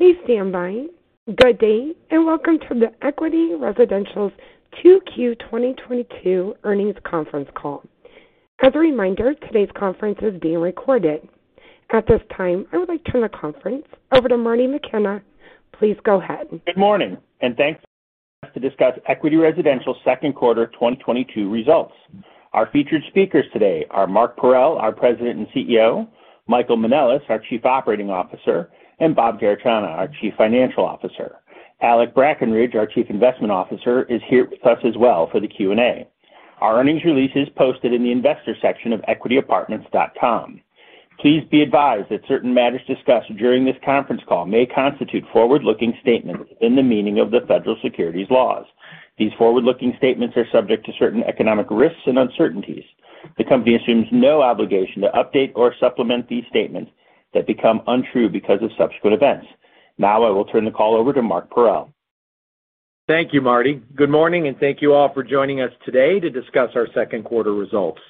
Please stand by. Good day, and welcome to the Equity Residential's 2Q 2022 earnings conference call. As a reminder, today's conference is being recorded. At this time, I would like to turn the conference over to Marty McKenna. Please go ahead. Good morning, thanks to discuss Equity Residential second quarter 2022 results. Our featured speakers today are Mark Parrell, our President and CEO, Michael Manelis, our Chief Operating Officer, and Bob Garechana, our Chief Financial Officer. Alec Brackenridge, our Chief Investment Officer, is here with us as well for the Q&A. Our earnings release is posted in the investor section of equityapartments.com. Please be advised that certain matters discussed during this conference call may constitute forward-looking statements in the meaning of the Federal Securities Laws. These forward-looking statements are subject to certain economic risks and uncertainties. The company assumes no obligation to update or supplement these statements that become untrue because of subsequent events. Now I will turn the call over to Mark Parrell. Thank you, Marty. Good morning, and thank you all for joining us today to discuss our second quarter results.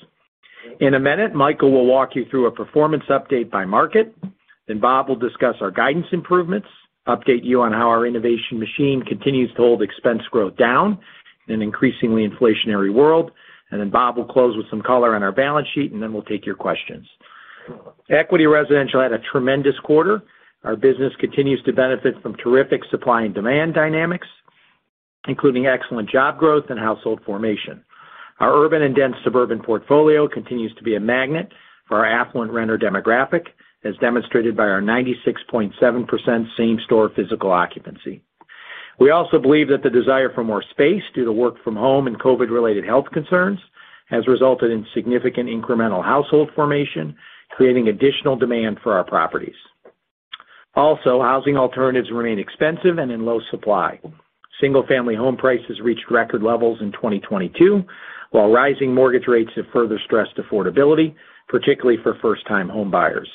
In a minute, Michael will walk you through a performance update by market, then Bob will discuss our guidance improvements, update you on how our innovation machine continues to hold expense growth down in an increasingly inflationary world. Then Bob will close with some color on our balance sheet, and then we'll take your questions. Equity Residential had a tremendous quarter. Our business continues to benefit from terrific supply and demand dynamics, including excellent job growth and household formation. Our urban and dense suburban portfolio continues to be a magnet for our affluent renter demographic, as demonstrated by our 96.7% same store physical occupancy. We also believe that the desire for more space due to work from home and COVID-related health concerns has resulted in significant incremental household formation, creating additional demand for our properties. Also, housing alternatives remain expensive and in low supply. Single-family home prices reached record levels in 2022, while rising mortgage rates have further stressed affordability, particularly for first-time home buyers.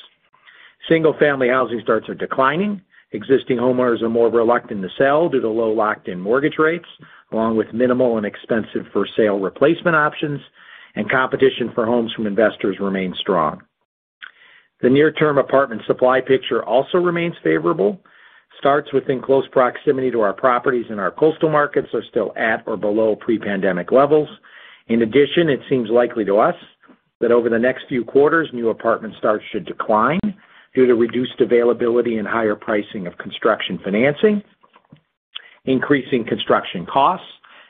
Single-family housing starts are declining. Existing homeowners are more reluctant to sell due to low locked-in mortgage rates, along with minimal and expensive for sale replacement options, and competition for homes from investors remains strong. The near-term apartment supply picture also remains favorable. Starts within close proximity to our properties in our coastal markets are still at or below pre-pandemic levels. In addition, it seems likely to us that over the next few quarters, new apartment starts should decline due to reduced availability and higher pricing of construction financing, increasing construction costs,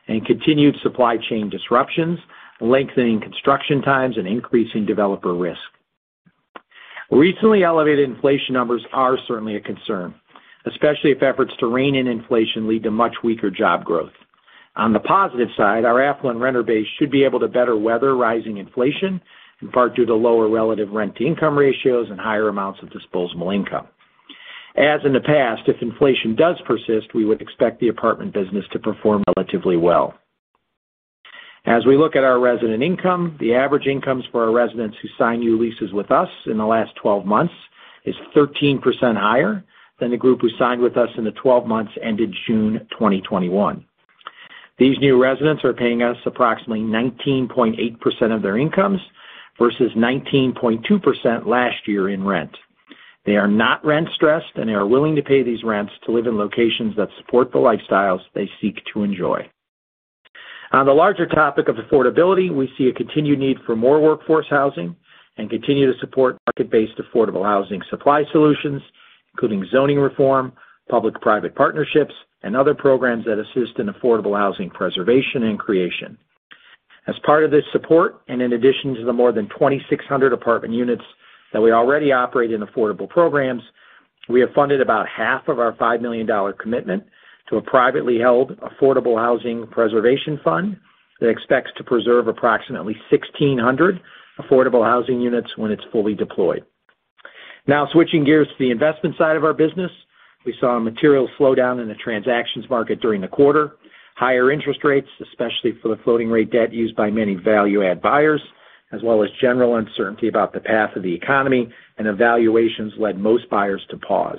and continued supply chain disruptions, lengthening construction times and increasing developer risk. Recently elevated inflation numbers are certainly a concern, especially if efforts to rein in inflation lead to much weaker job growth. On the positive side, our affluent renter base should be able to better weather rising inflation, in part due to lower relative rent-to-income ratios and higher amounts of disposable income. As in the past, if inflation does persist, we would expect the apartment business to perform relatively well. As we look at our resident income, the average incomes for our residents who sign new leases with us in the last 12 months is 13% higher than the group who signed with us in the 12 months ended June 2021. These new residents are paying us approximately 19.8% of their incomes versus 19.2% last year in rent. They are not rent-stressed, and they are willing to pay these rents to live in locations that support the lifestyles they seek to enjoy. On the larger topic of affordability, we see a continued need for more workforce housing and continue to support market-based affordable housing supply solutions, including zoning reform, public-private partnerships, and other programs that assist in affordable housing preservation and creation. As part of this support, and in addition to the more than 2,600 apartment units that we already operate in affordable programs, we have funded about half of our $5 million commitment to a privately held affordable housing preservation fund that expects to preserve approximately 1,600 affordable housing units when it's fully deployed. Now, switching gears to the investment side of our business, we saw a material slowdown in the transactions market during the quarter. Higher interest rates, especially for the floating rate debt used by many value-add buyers, as well as general uncertainty about the path of the economy and valuations led most buyers to pause.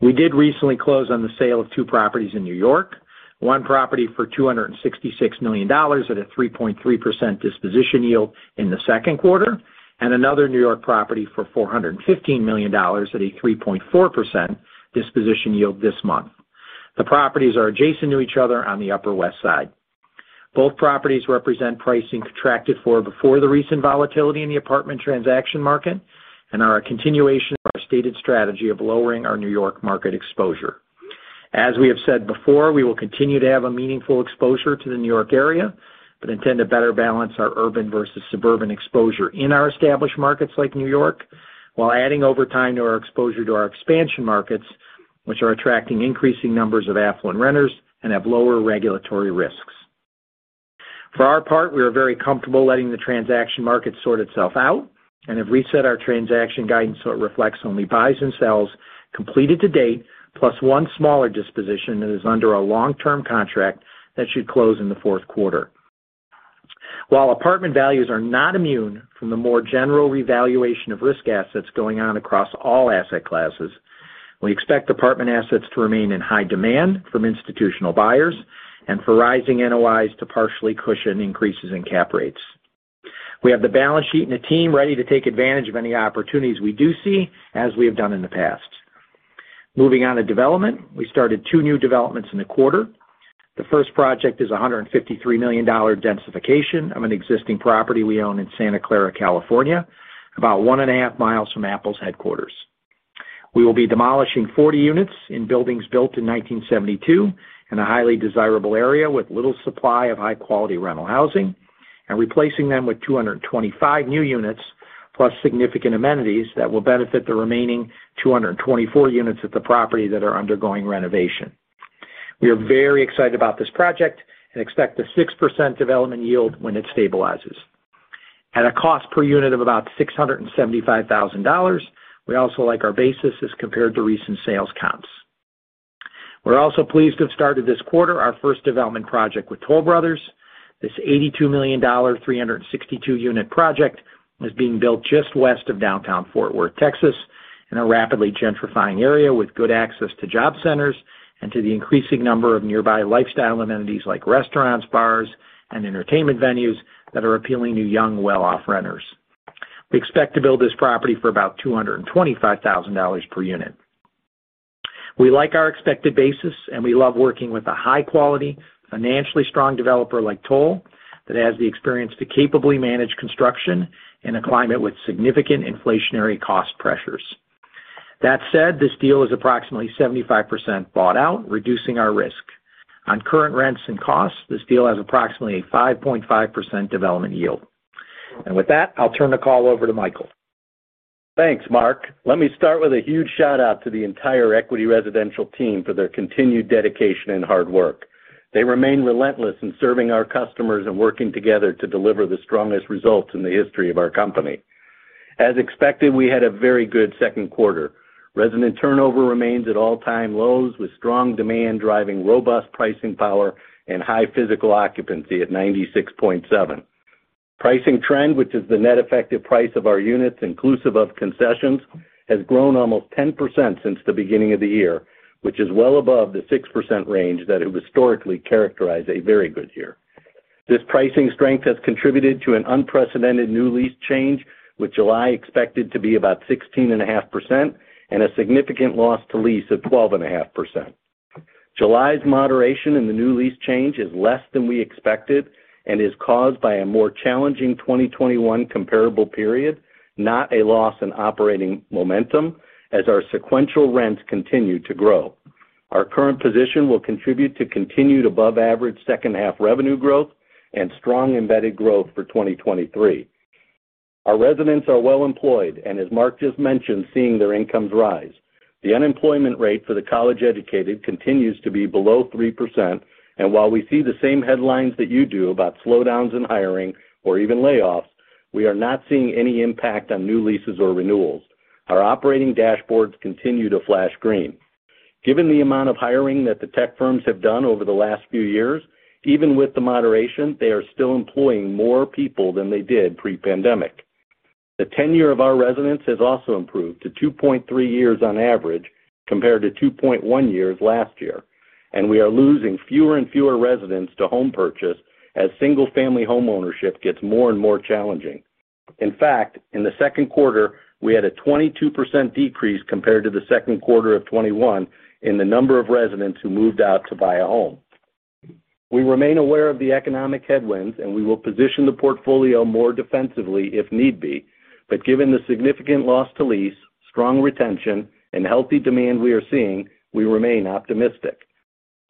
We did recently close on the sale of two properties in New York, one property for $266 million at a 3.3% disposition yield in the second quarter, and another New York property for $415 million at a 3.4% disposition yield this month. The properties are adjacent to each other on the Upper West Side. Both properties represent pricing contracted for before the recent volatility in the apartment transaction market and are a continuation of our stated strategy of lowering our New York market exposure. As we have said before, we will continue to have a meaningful exposure to the New York area, but intend to better balance our urban versus suburban exposure in our established markets like New York, while adding over time to our exposure to our expansion markets, which are attracting increasing numbers of affluent renters and have lower regulatory risks. For our part, we are very comfortable letting the transaction market sort itself out and have reset our transaction guidance so it reflects only buys and sells completed to date, plus one smaller disposition that is under a long-term contract that should close in the fourth quarter. While apartment values are not immune from the more general revaluation of risk assets going on across all asset classes, we expect apartment assets to remain in high demand from institutional buyers and for rising NOIs to partially cushion increases in cap rates. We have the balance sheet and a team ready to take advantage of any opportunities we do see as we have done in the past. Moving on to development. We started two new developments in the quarter. The first project is a $153 million densification of an existing property we own in Santa Clara, California, about one and a half miles from Apple's headquarters. We will be demolishing 40 units in buildings built in 1972 in a highly desirable area with little supply of high-quality rental housing, and replacing them with 225 new units plus significant amenities that will benefit the remaining 224 units at the property that are undergoing renovation. We are very excited about this project and expect a 6% development yield when it stabilizes. At a cost per unit of about $675,000, we also like our basis as compared to recent sales comps. We're also pleased to have started this quarter our first development project with Toll Brothers. This $82 million, 362-unit project is being built just west of downtown Fort Worth, Texas, in a rapidly gentrifying area with good access to job centers and to the increasing number of nearby lifestyle amenities like restaurants, bars, and entertainment venues that are appealing to young, well-off renters. We expect to build this property for about $225,000 per unit. We like our expected basis, and we love working with a high-quality, financially strong developer like Toll that has the experience to capably manage construction in a climate with significant inflationary cost pressures. That said, this deal is approximately 75% bought out, reducing our risk. On current rents and costs, this deal has approximately a 5.5% development yield. With that, I'll turn the call over to Michael. Thanks, Mark. Let me start with a huge shout-out to the entire Equity Residential team for their continued dedication and hard work. They remain relentless in serving our customers and working together to deliver the strongest results in the history of our company. As expected, we had a very good second quarter. Resident turnover remains at all-time lows, with strong demand driving robust pricing power and high physical occupancy at 96.7%. Pricing trend, which is the net effective price of our units inclusive of concessions, has grown almost 10% since the beginning of the year, which is well above the 6% range that it historically characterized a very good year. This pricing strength has contributed to an unprecedented new lease change, with July expected to be about 16.5% and a significant loss to lease of 12.5%. July's moderation in the new lease change is less than we expected and is caused by a more challenging 2021 comparable period, not a loss in operating momentum as our sequential rents continue to grow. Our current position will contribute to continued above-average second-half revenue growth and strong embedded growth for 2023. Our residents are well-employed and as Mark just mentioned, seeing their incomes rise. The unemployment rate for the college-educated continues to be below 3%, and while we see the same headlines that you do about slowdowns in hiring or even layoffs, we are not seeing any impact on new leases or renewals. Our operating dashboards continue to flash green. Given the amount of hiring that the tech firms have done over the last few years, even with the moderation, they are still employing more people than they did pre-pandemic. The tenure of our residents has also improved to 2.3 years on average, compared to 2.1 years last year. We are losing fewer and fewer residents to home purchase as single-family homeownership gets more and more challenging. In fact, in the second quarter, we had a 22% decrease compared to the second quarter of 2021 in the number of residents who moved out to buy a home. We remain aware of the economic headwinds, and we will position the portfolio more defensively if need be. Given the significant loss to lease, strong retention, and healthy demand we are seeing, we remain optimistic.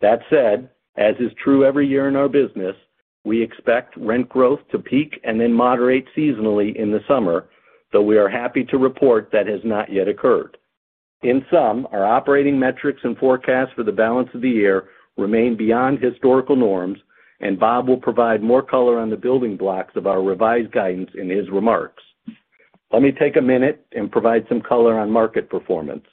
That said, as is true every year in our business, we expect rent growth to peak and then moderate seasonally in the summer, though we are happy to report that has not yet occurred. In sum, our operating metrics and forecasts for the balance of the year remain beyond historical norms, and Bob will provide more color on the building blocks of our revised guidance in his remarks. Let me take a minute and provide some color on market performance.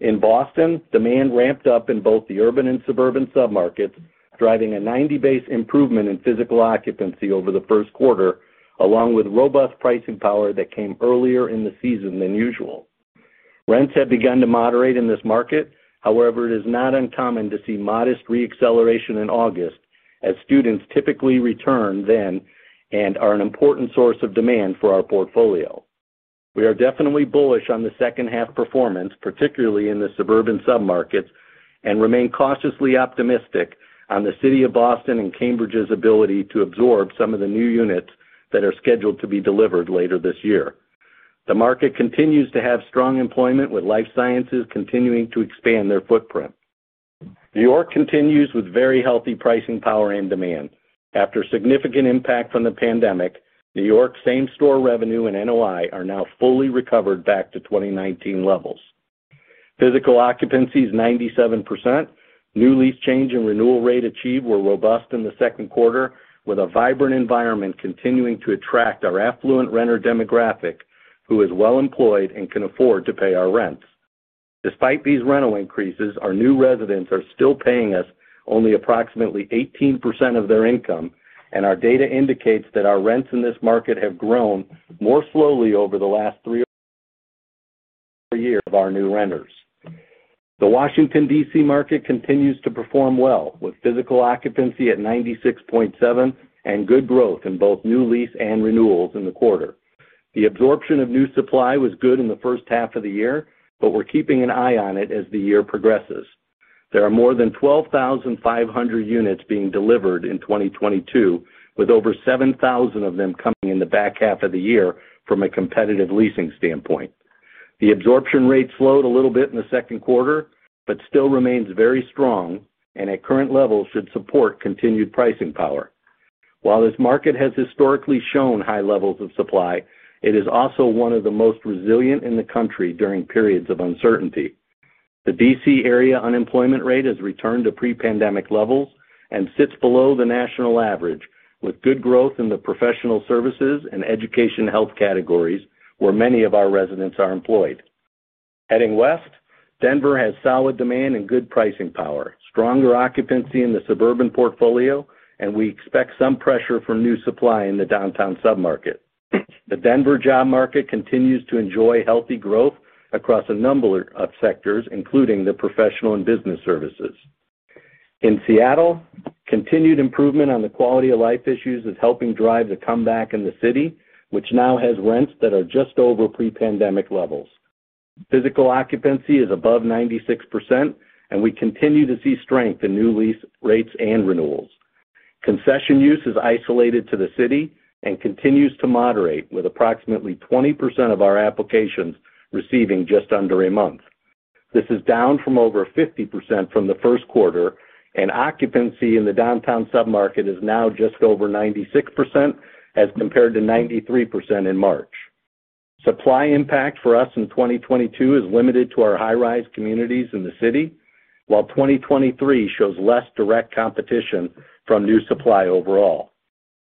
In Boston, demand ramped up in both the urban and suburban submarkets, driving a 90 basis point improvement in physical occupancy over the first quarter, along with robust pricing power that came earlier in the season than usual. Rents have begun to moderate in this market. However, it is not uncommon to see modest re-acceleration in August, as students typically return then and are an important source of demand for our portfolio. We are definitely bullish on the second half performance, particularly in the suburban submarkets, and remain cautiously optimistic on the city of Boston and Cambridge's ability to absorb some of the new units that are scheduled to be delivered later this year. The market continues to have strong employment, with life sciences continuing to expand their footprint. New York continues with very healthy pricing power and demand. After significant impact from the pandemic, New York same-store revenue and NOI are now fully recovered back to 2019 levels. Physical occupancy is 97%. New lease change and renewal rate achieved were robust in the second quarter, with a vibrant environment continuing to attract our affluent renter demographic who is well-employed and can afford to pay our rents. Despite these rental increases, our new residents are still paying us only approximately 18% of their income. Our data indicates that our rents in this market have grown more slowly over the last three percent per year for our new renters. The Washington, D.C. market continues to perform well, with physical occupancy at 96.7% and good growth in both new leases and renewals in the quarter. The absorption of new supply was good in the first half of the year, but we're keeping an eye on it as the year progresses. There are more than 12,500 units being delivered in 2022, with over 7,000 of them coming in the back half of the year from a competitive leasing standpoint. The absorption rate slowed a little bit in the second quarter but still remains very strong and at current levels should support continued pricing power. While this market has historically shown high levels of supply, it is also one of the most resilient in the country during periods of uncertainty. The D.C. area unemployment rate has returned to pre-pandemic levels and sits below the national average with good growth in the professional services and education health categories where many of our residents are employed. Heading west, Denver has solid demand and good pricing power, stronger occupancy in the suburban portfolio, and we expect some pressure from new supply in the downtown sub-market. The Denver job market continues to enjoy healthy growth across a number of sectors, including the professional and business services. In Seattle, continued improvement on the quality of life issues is helping drive the comeback in the city, which now has rents that are just over pre-pandemic levels. Physical occupancy is above 96%, and we continue to see strength in new lease rates and renewals. Concession use is isolated to the city and continues to moderate, with approximately 20% of our applications receiving just under a month. This is down from over 50% from the first quarter, and occupancy in the downtown sub-market is now just over 96% as compared to 93% in March. Supply impact for us in 2022 is limited to our high-rise communities in the city, while 2023 shows less direct competition from new supply overall.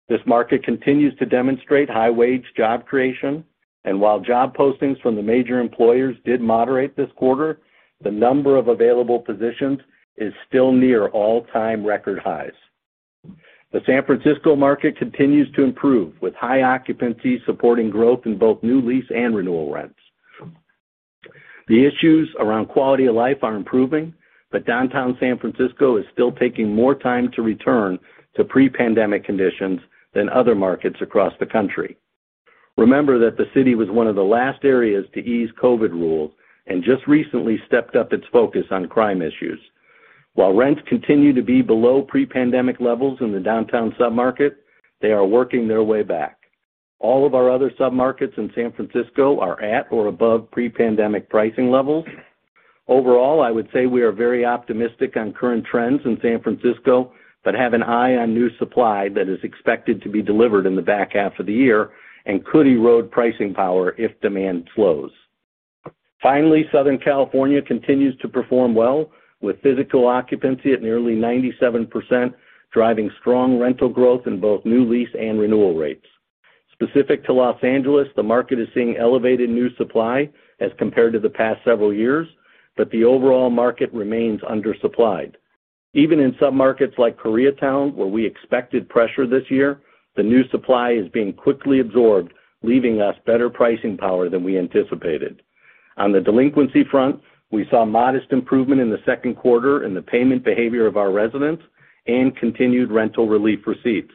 This market continues to demonstrate high-wage job creation, and while job postings from the major employers did moderate this quarter, the number of available positions is still near all-time record highs. The San Francisco market continues to improve, with high occupancy supporting growth in both new lease and renewal rents. The issues around quality of life are improving, but downtown San Francisco is still taking more time to return to pre-pandemic conditions than other markets across the country. Remember that the city was one of the last areas to ease COVID rules and just recently stepped up its focus on crime issues. While rents continue to be below pre-pandemic levels in the downtown sub-market, they are working their way back. All of our other submarkets in San Francisco are at or above pre-pandemic pricing levels. Overall, I would say we are very optimistic on current trends in San Francisco, but have an eye on new supply that is expected to be delivered in the back half of the year and could erode pricing power if demand slows. Finally, Southern California continues to perform well, with physical occupancy at nearly 97%, driving strong rental growth in both new lease and renewal rates. Specific to Los Angeles, the market is seeing elevated new supply as compared to the past several years, but the overall market remains undersupplied. Even in submarkets like Koreatown, where we expected pressure this year, the new supply is being quickly absorbed, leaving us better pricing power than we anticipated. On the delinquency front, we saw modest improvement in the second quarter in the payment behavior of our residents and continued rental relief receipts.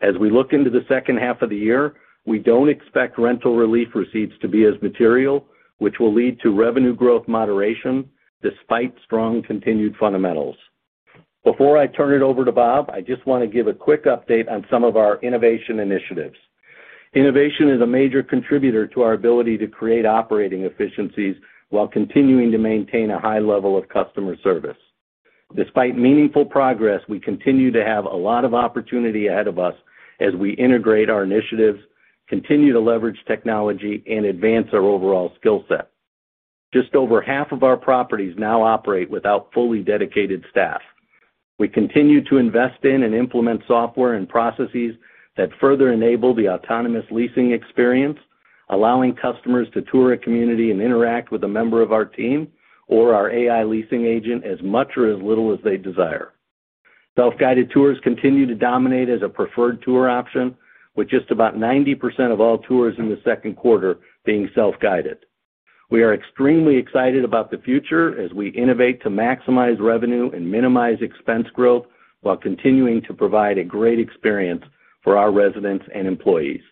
As we look into the second half of the year, we don't expect rental relief receipts to be as material, which will lead to revenue growth moderation despite strong continued fundamentals. Before I turn it over to Bob, I just want to give a quick update on some of our innovation initiatives. Innovation is a major contributor to our ability to create operating efficiencies while continuing to maintain a high level of customer service. Despite meaningful progress, we continue to have a lot of opportunity ahead of us as we integrate our initiatives, continue to leverage technology, and advance our overall skill set. Just over half of our properties now operate without fully dedicated staff. We continue to invest in and implement software and processes that further enable the autonomous leasing experience, allowing customers to tour a community and interact with a member of our team or our AI leasing agent as much or as little as they desire. Self-guided tours continue to dominate as a preferred tour option, with just about 90% of all tours in the second quarter being self-guided. We are extremely excited about the future as we innovate to maximize revenue and minimize expense growth while continuing to provide a great experience for our residents and employees.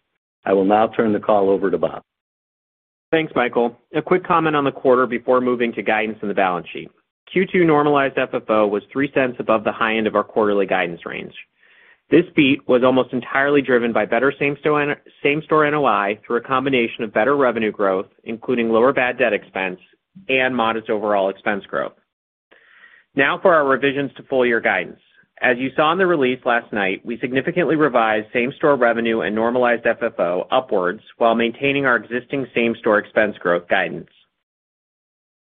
I will now turn the call over to Bob. Thanks, Michael. A quick comment on the quarter before moving to guidance on the balance sheet. Q2 normalized FFO was $0.03 above the high end of our quarterly guidance range. This beat was almost entirely driven by better same-store NOI through a combination of better revenue growth, including lower bad debt expense and modest overall expense growth. Now for our revisions to full year guidance. As you saw in the release last night, we significantly revised same-store revenue and normalized FFO upwards while maintaining our existing same-store expense growth guidance.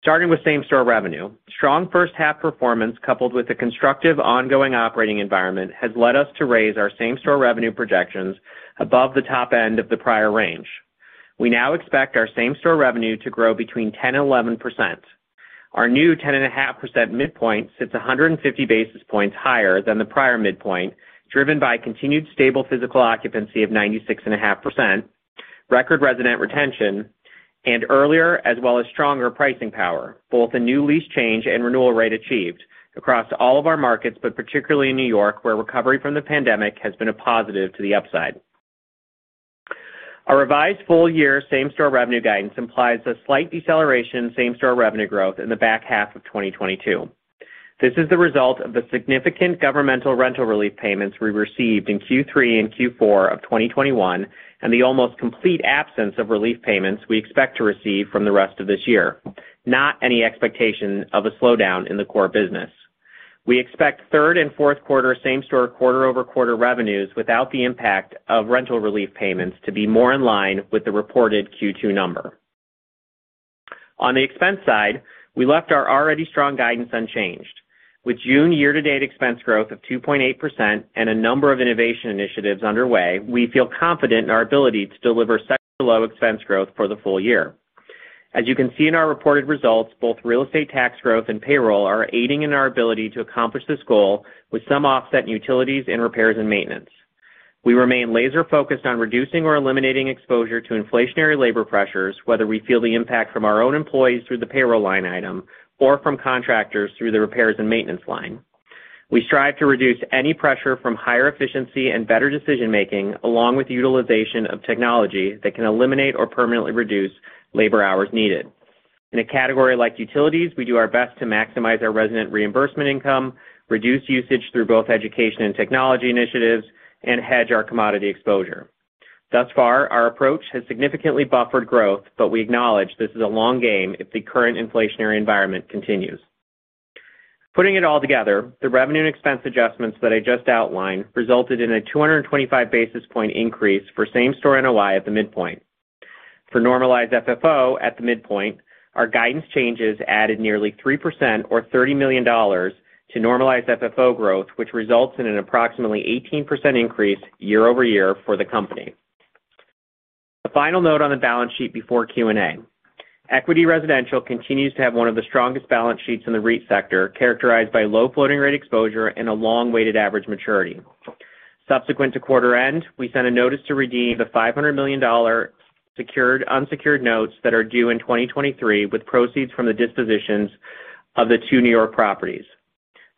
Starting with same-store revenue, strong first half performance coupled with a constructive ongoing operating environment has led us to raise our same-store revenue projections above the top end of the prior range. We now expect our same-store revenue to grow between 10% and 11%. Our new 10.5% midpoint sits 150 basis points higher than the prior midpoint, driven by continued stable physical occupancy of 96.5%, record resident retention, and earlier as well as stronger pricing power, both a new lease change and renewal rate achieved across all of our markets, but particularly in New York, where recovery from the pandemic has been a positive to the upside. Our revised full year same-store revenue guidance implies a slight deceleration same-store revenue growth in the back half of 2022. This is the result of the significant governmental rental relief payments we received in Q3 and Q4 of 2021, and the almost complete absence of relief payments we expect to receive from the rest of this year, not any expectation of a slowdown in the core business. We expect third and fourth quarter same-store, quarter-over-quarter revenues without the impact of rental relief payments to be more in line with the reported Q2 number. On the expense side, we left our already strong guidance unchanged. With June year-to-date expense growth of 2.8% and a number of innovation initiatives underway, we feel confident in our ability to deliver such low expense growth for the full year. As you can see in our reported results, both real estate tax growth and payroll are aiding in our ability to accomplish this goal with some offset in utilities and repairs and maintenance. We remain laser focused on reducing or eliminating exposure to inflationary labor pressures, whether we feel the impact from our own employees through the payroll line item or from contractors through the repairs and maintenance line. We strive to reduce any pressure from higher efficiency and better decision-making, along with utilization of technology that can eliminate or permanently reduce labor hours needed. In a category like utilities, we do our best to maximize our resident reimbursement income, reduce usage through both education and technology initiatives, and hedge our commodity exposure. Thus far, our approach has significantly buffered growth, but we acknowledge this is a long game if the current inflationary environment continues. Putting it all together, the revenue and expense adjustments that I just outlined resulted in a 225 basis point increase for same-store NOI at the midpoint. For normalized FFO at the midpoint, our guidance changes added nearly 3% or $30 million to normalized FFO growth, which results in an approximately 18% increase year-over-year for the company. A final note on the balance sheet before Q&A. Equity Residential continues to have one of the strongest balance sheets in the REIT sector, characterized by low floating rate exposure and a long weighted average maturity. Subsequent to quarter end, we sent a notice to redeem the $500 million unsecured notes that are due in 2023 with proceeds from the dispositions of the two New York properties.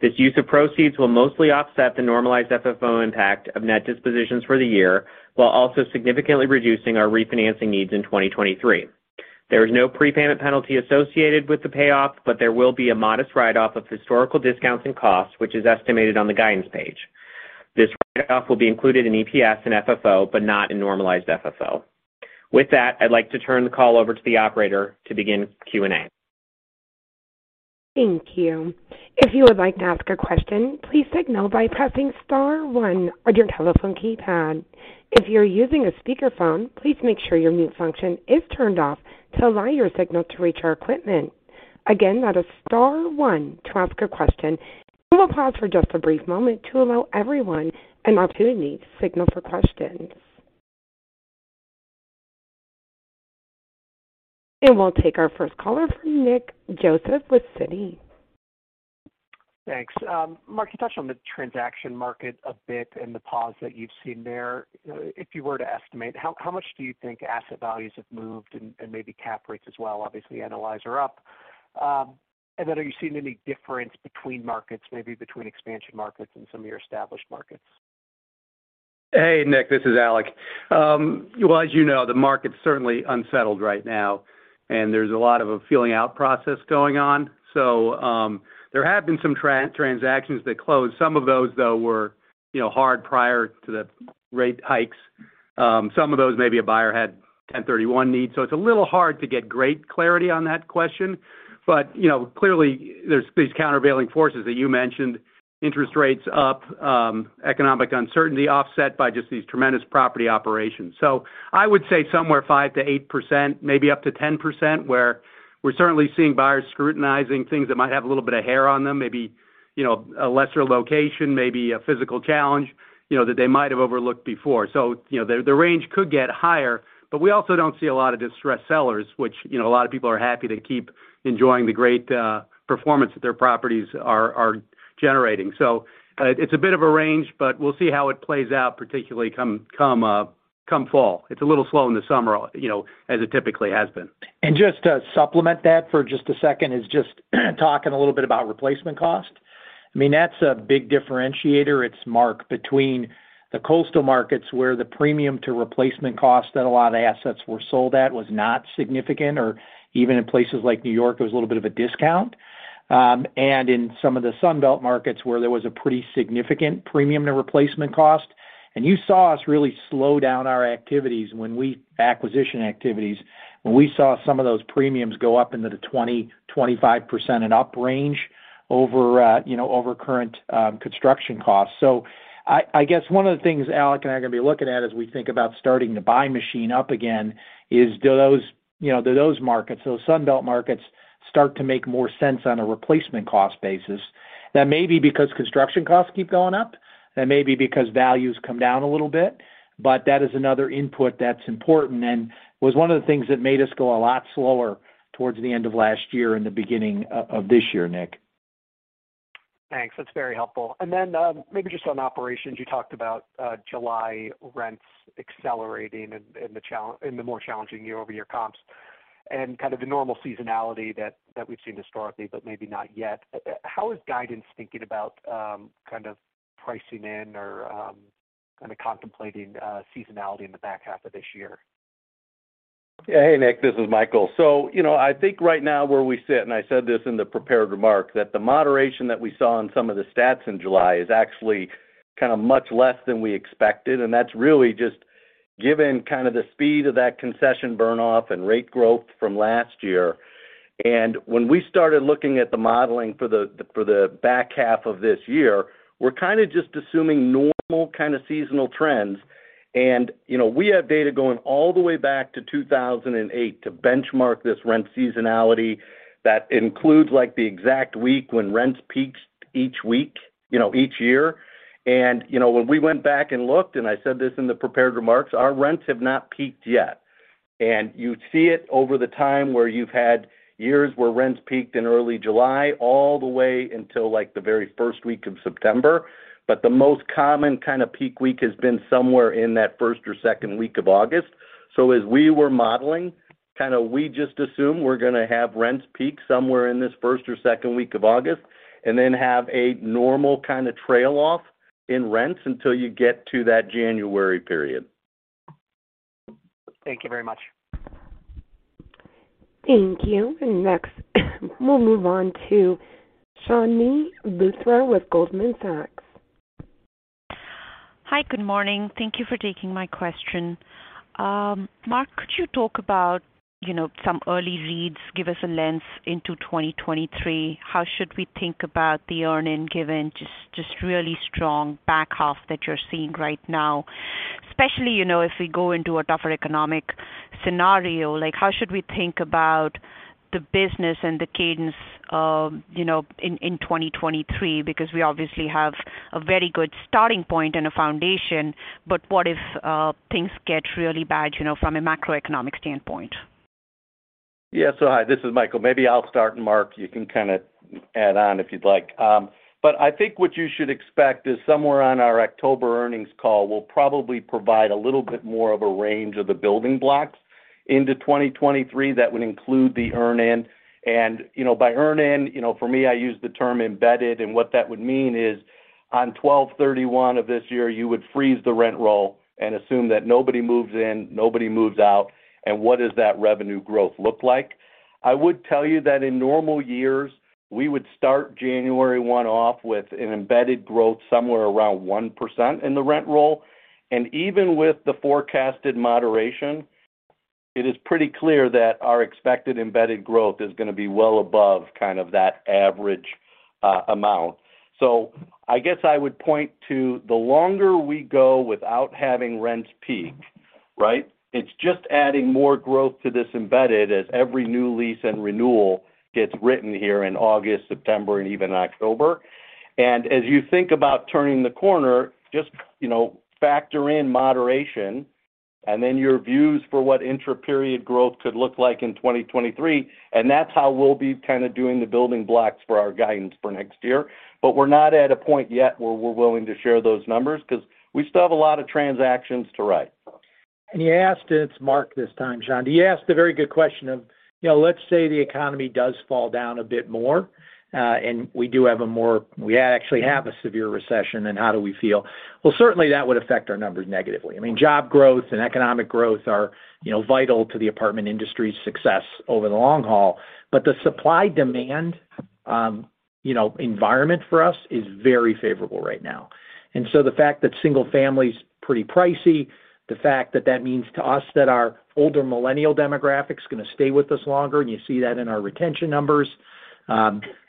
This use of proceeds will mostly offset the normalized FFO impact of net dispositions for the year, while also significantly reducing our refinancing needs in 2023. There is no prepayment penalty associated with the payoff, but there will be a modest write off of historical discounts and costs, which is estimated on the guidance page. This write off will be included in EPS and FFO, but not in normalized FFO. With that, I'd like to turn the call over to the operator to begin Q&A. Thank you. If you would like to ask a question, please signal by pressing star one on your telephone keypad. If you're using a speakerphone, please make sure your mute function is turned off to allow your signal to reach our equipment. Again, that is star one to ask a question. We will pause for just a brief moment to allow everyone an opportunity to signal for questions. We'll take our first caller from Nick Joseph with Citi. Thanks. Mark, you touched on the transaction market a bit and the pause that you've seen there. If you were to estimate, how much do you think asset values have moved and maybe cap rates as well? Obviously, cap rates are up. Are you seeing any difference between markets, maybe between expansion markets and some of your established markets? Hey, Nick, this is Alec. Well, as you know, the market's certainly unsettled right now, and there's a lot of a feeling out process going on. There have been some transactions that closed. Some of those, though, were, you know, had prior to the rate hikes. Some of those may be a buyer had 1031 needs. It's a little hard to get great clarity on that question. But, you know, clearly there's these countervailing forces that you mentioned, interest rates up, economic uncertainty offset by just these tremendous property operations. I would say somewhere 5%-8%, maybe up to 10%, where we're certainly seeing buyers scrutinizing things that might have a little bit of hair on them, maybe, you know, a lesser location, maybe a physical challenge, you know, that they might have overlooked before. You know, the range could get higher, but we also don't see a lot of distressed sellers, which, you know, a lot of people are happy to keep enjoying the great performance that their properties are generating. It's a bit of a range, but we'll see how it plays out, particularly come fall. It's a little slow in the summer, you know, as it typically has been. Just to supplement that for just a second is just talking a little bit about replacement cost. I mean, that's a big differentiator. It's marked between the coastal markets where the premium to replacement cost that a lot of assets were sold at was not significant. Even in places like New York, it was a little bit of a discount. In some of the Sun Belt markets where there was a pretty significant premium to replacement cost. You saw us really slow down our activities, acquisition activities, when we saw some of those premiums go up into the 20%-25% and up range over you know over current construction costs. I guess one of the things Alec and I are gonna be looking at as we think about starting the buy machine up again is, you know, do those markets, those Sun Belt markets, start to make more sense on a replacement cost basis. That may be because construction costs keep going up. That may be because values come down a little bit. That is another input that's important and was one of the things that made us go a lot slower towards the end of last year and the beginning of this year, Nick. Thanks. That's very helpful. Then, maybe just on operations, you talked about July rents accelerating and the more challenging year-over-year comps and kind of the normal seasonality that we've seen historically, but maybe not yet. How is guidance thinking about kind of pricing in or kind of contemplating seasonality in the back half of this year? Yeah. Hey, Nick, this is Michael. You know, I think right now where we sit, and I said this in the prepared remarks, that the moderation that we saw in some of the stats in July is actually kind of much less than we expected, and that's really just given kind of the speed of that concession burn off and rate growth from last year. When we started looking at the modeling for the back half of this year, we're kind of just assuming normal kind of seasonal trends. You know, we have data going all the way back to 2008 to benchmark this rent seasonality that includes, like, the exact week when rents peaked each week, you know, each year. You know, when we went back and looked, and I said this in the prepared remarks, our rents have not peaked yet. You see it over the time where you've had years where rents peaked in early July all the way until, like, the very first week of September. The most common kind of peak week has been somewhere in that first or second week of August. As we were modeling, kind of we just assume we're gonna have rents peak somewhere in this first or second week of August, and then have a normal kind of trail off in rents until you get to that January period. Thank you very much. Thank you. Next, we'll move on to Chandni Luthra with Goldman Sachs. Hi. Good morning. Thank you for taking my question. Mark, could you talk about, you know, some early reads, give us a lens into 2023? How should we think about the earnings, given just really strong back half that you're seeing right now? Especially, you know, if we go into a tougher economic scenario, like, how should we think about the business and the cadence of, you know, in 2023? Because we obviously have a very good starting point and a foundation, but what if things get really bad, you know, from a macroeconomic standpoint? Yeah. Hi, this is Michael. Maybe I'll start, and Mark, you can kind of add on if you'd like. I think what you should expect is somewhere on our October earnings call, we'll probably provide a little bit more of a range of the building blocks into 2023 that would include the earn-in. You know, by earn-in, you know, for me, I use the term embedded, and what that would mean is on 12/31 of this year, you would freeze the rent roll and assume that nobody moves in, nobody moves out, and what does that revenue growth look like? I would tell you that in normal years, we would start January 1 off with an embedded growth somewhere around 1% in the rent roll. Even with the forecasted moderation, it is pretty clear that our expected embedded growth is gonna be well above kind of that average amount. I guess I would point to the longer we go without having rents peak, right? It's just adding more growth to this embedded as every new lease and renewal gets written here in August, September, and even October. As you think about turning the corner, just, you know, factor in moderation and then your views for what intra-period growth could look like in 2023, and that's how we'll be kind of doing the building blocks for our guidance for next year. We're not at a point yet where we're willing to share those numbers because we still have a lot of transactions to write. You asked, it's Mark this time, Chandni. You asked a very good question of, you know, let's say the economy does fall down a bit more, and we actually have a severe recession, and how do we feel? Well, certainly that would affect our numbers negatively. I mean, job growth and economic growth are, you know, vital to the apartment industry's success over the long haul. But the supply-demand, you know, environment for us is very favorable right now. The fact that single-family is pretty pricey, the fact that that means to us that our older millennial demographic is gonna stay with us longer, and you see that in our retention numbers.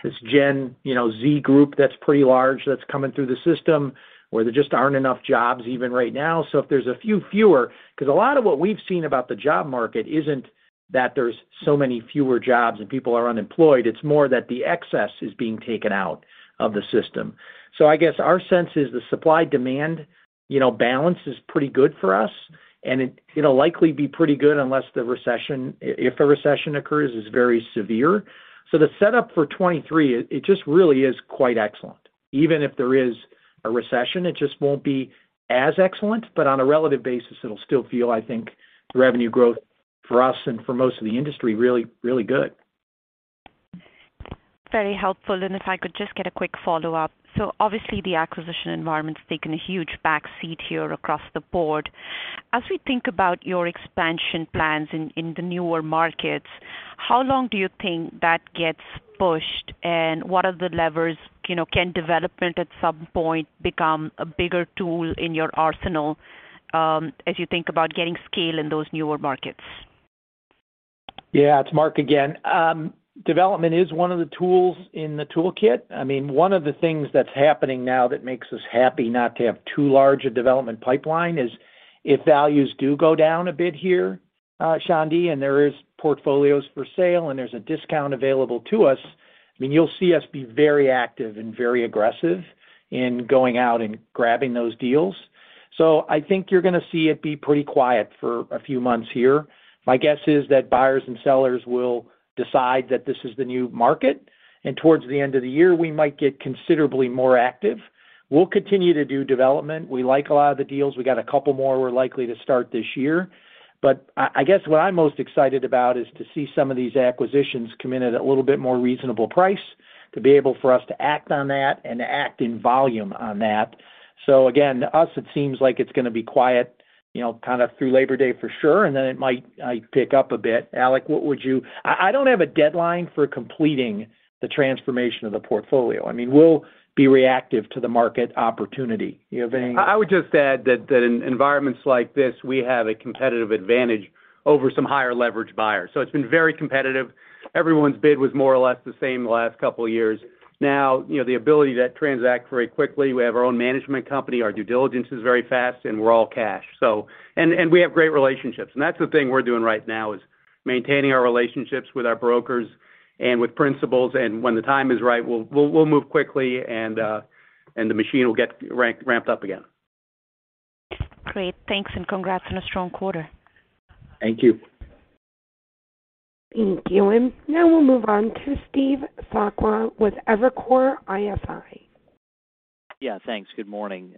This Gen, you know, Z group that's pretty large that's coming through the system where there just aren't enough jobs even right now. If there's a few fewer. Because a lot of what we've seen about the job market isn't that there's so many fewer jobs and people are unemployed, it's more that the excess is being taken out of the system. I guess our sense is the supply-demand, you know, balance is pretty good for us, and it'll likely be pretty good unless the recession, if a recession occurs, is very severe. The setup for 2023, it just really is quite excellent. Even if there is a recession, it just won't be as excellent, but on a relative basis, it'll still feel, I think, the revenue growth for us and for most of the industry really, really good. Very helpful. If I could just get a quick follow-up. Obviously the acquisition environment's taken a huge backseat here across the board. As we think about your expansion plans in the newer markets, how long do you think that gets pushed, and what are the levers? You know, can development at some point become a bigger tool in your arsenal, as you think about getting scale in those newer markets? Yeah. It's Mark again. Development is one of the tools in the toolkit. I mean, one of the things that's happening now that makes us happy not to have too large a development pipeline is if values do go down a bit here, Chandni, and there is portfolios for sale and there's a discount available to us, I mean, you'll see us be very active and very aggressive in going out and grabbing those deals. I think you're gonna see it be pretty quiet for a few months here. My guess is that buyers and sellers will decide that this is the new market, and towards the end of the year, we might get considerably more active. We'll continue to do development. We like a lot of the deals. We got a couple more we're likely to start this year. I guess what I'm most excited about is to see some of these acquisitions come in at a little bit more reasonable price, to be able for us to act on that and to act in volume on that. So again, to us, it seems like it's gonna be quiet, you know, kind of through Labor Day for sure, and then it might pick up a bit. Alec, what would you... I don't have a deadline for completing the transformation of the portfolio. I mean, we'll be reactive to the market opportunity. Do you have any- I would just add that in environments like this, we have a competitive advantage over some higher leverage buyers. It's been very competitive. Everyone's bid was more or less the same the last couple of years. Now, you know, the ability to transact very quickly, we have our own management company, our due diligence is very fast, and we're all cash. We have great relationships. That's the thing we're doing right now is maintaining our relationships with our brokers and with principals. When the time is right, we'll move quickly and the machine will get ramped up again. Great. Thanks, and congrats on a strong quarter. Thank you. Thank you. Now we'll move on to Steve Sakwa with Evercore ISI. Yeah, thanks. Good morning.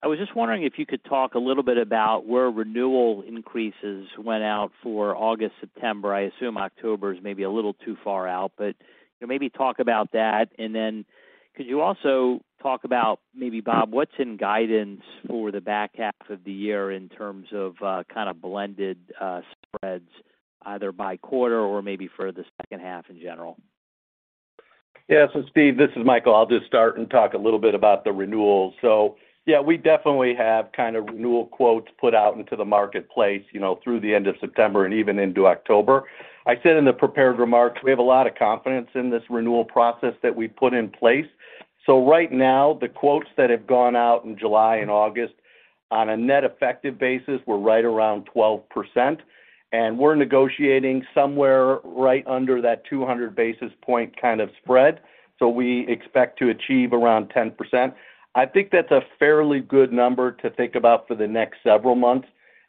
I was just wondering if you could talk a little bit about where renewal increases went out for August, September. I assume October is maybe a little too far out, but, you know, maybe talk about that. Could you also talk about maybe, Bob, what's in guidance for the back half of the year in terms of, kind of blended, spreads either by quarter or maybe for the second half in general? Yeah. Steve, this is Michael. I'll just start and talk a little bit about the renewals. Yeah, we definitely have kind of renewal quotes put out into the marketplace, you know, through the end of September and even into October. I said in the prepared remarks, we have a lot of confidence in this renewal process that we put in place. Right now, the quotes that have gone out in July and August on a net effective basis were right around 12%, and we're negotiating somewhere right under that 200 basis point kind of spread. We expect to achieve around 10%. I think that's a fairly good number to think about for the next several months.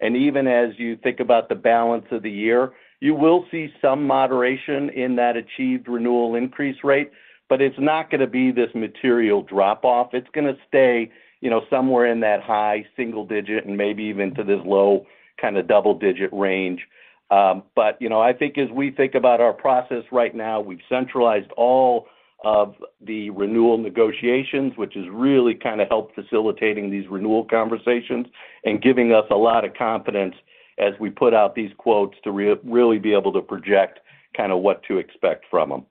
Even as you think about the balance of the year, you will see some moderation in that achieved renewal increase rate, but it's not gonna be this material drop off. It's gonna stay, you know, somewhere in that high single digit and maybe even to this low kind of double-digit range. You know, I think as we think about our process right now, we've centralized all of the renewal negotiations, which has really kind of helped facilitating these renewal conversations and giving us a lot of confidence as we put out these quotes to really be able to project kind of what to expect from them.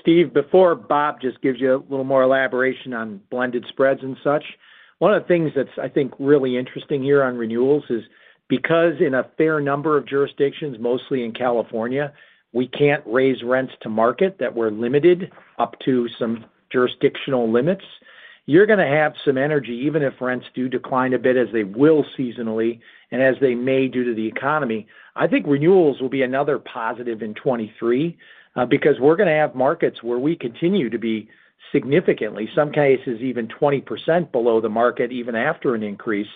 Steve, before Bob just gives you a little more elaboration on blended spreads and such, one of the things that's, I think, really interesting here on renewals is because in a fair number of jurisdictions, mostly in California, we can't raise rents to market, that we're limited up to some jurisdictional limits. You're gonna have some urgency, even if rents do decline a bit as they will seasonally and as they may due to the economy. I think renewals will be another positive in 2023 because we're gonna have markets where we continue to be significantly, some cases even 20% below the market even after an increase.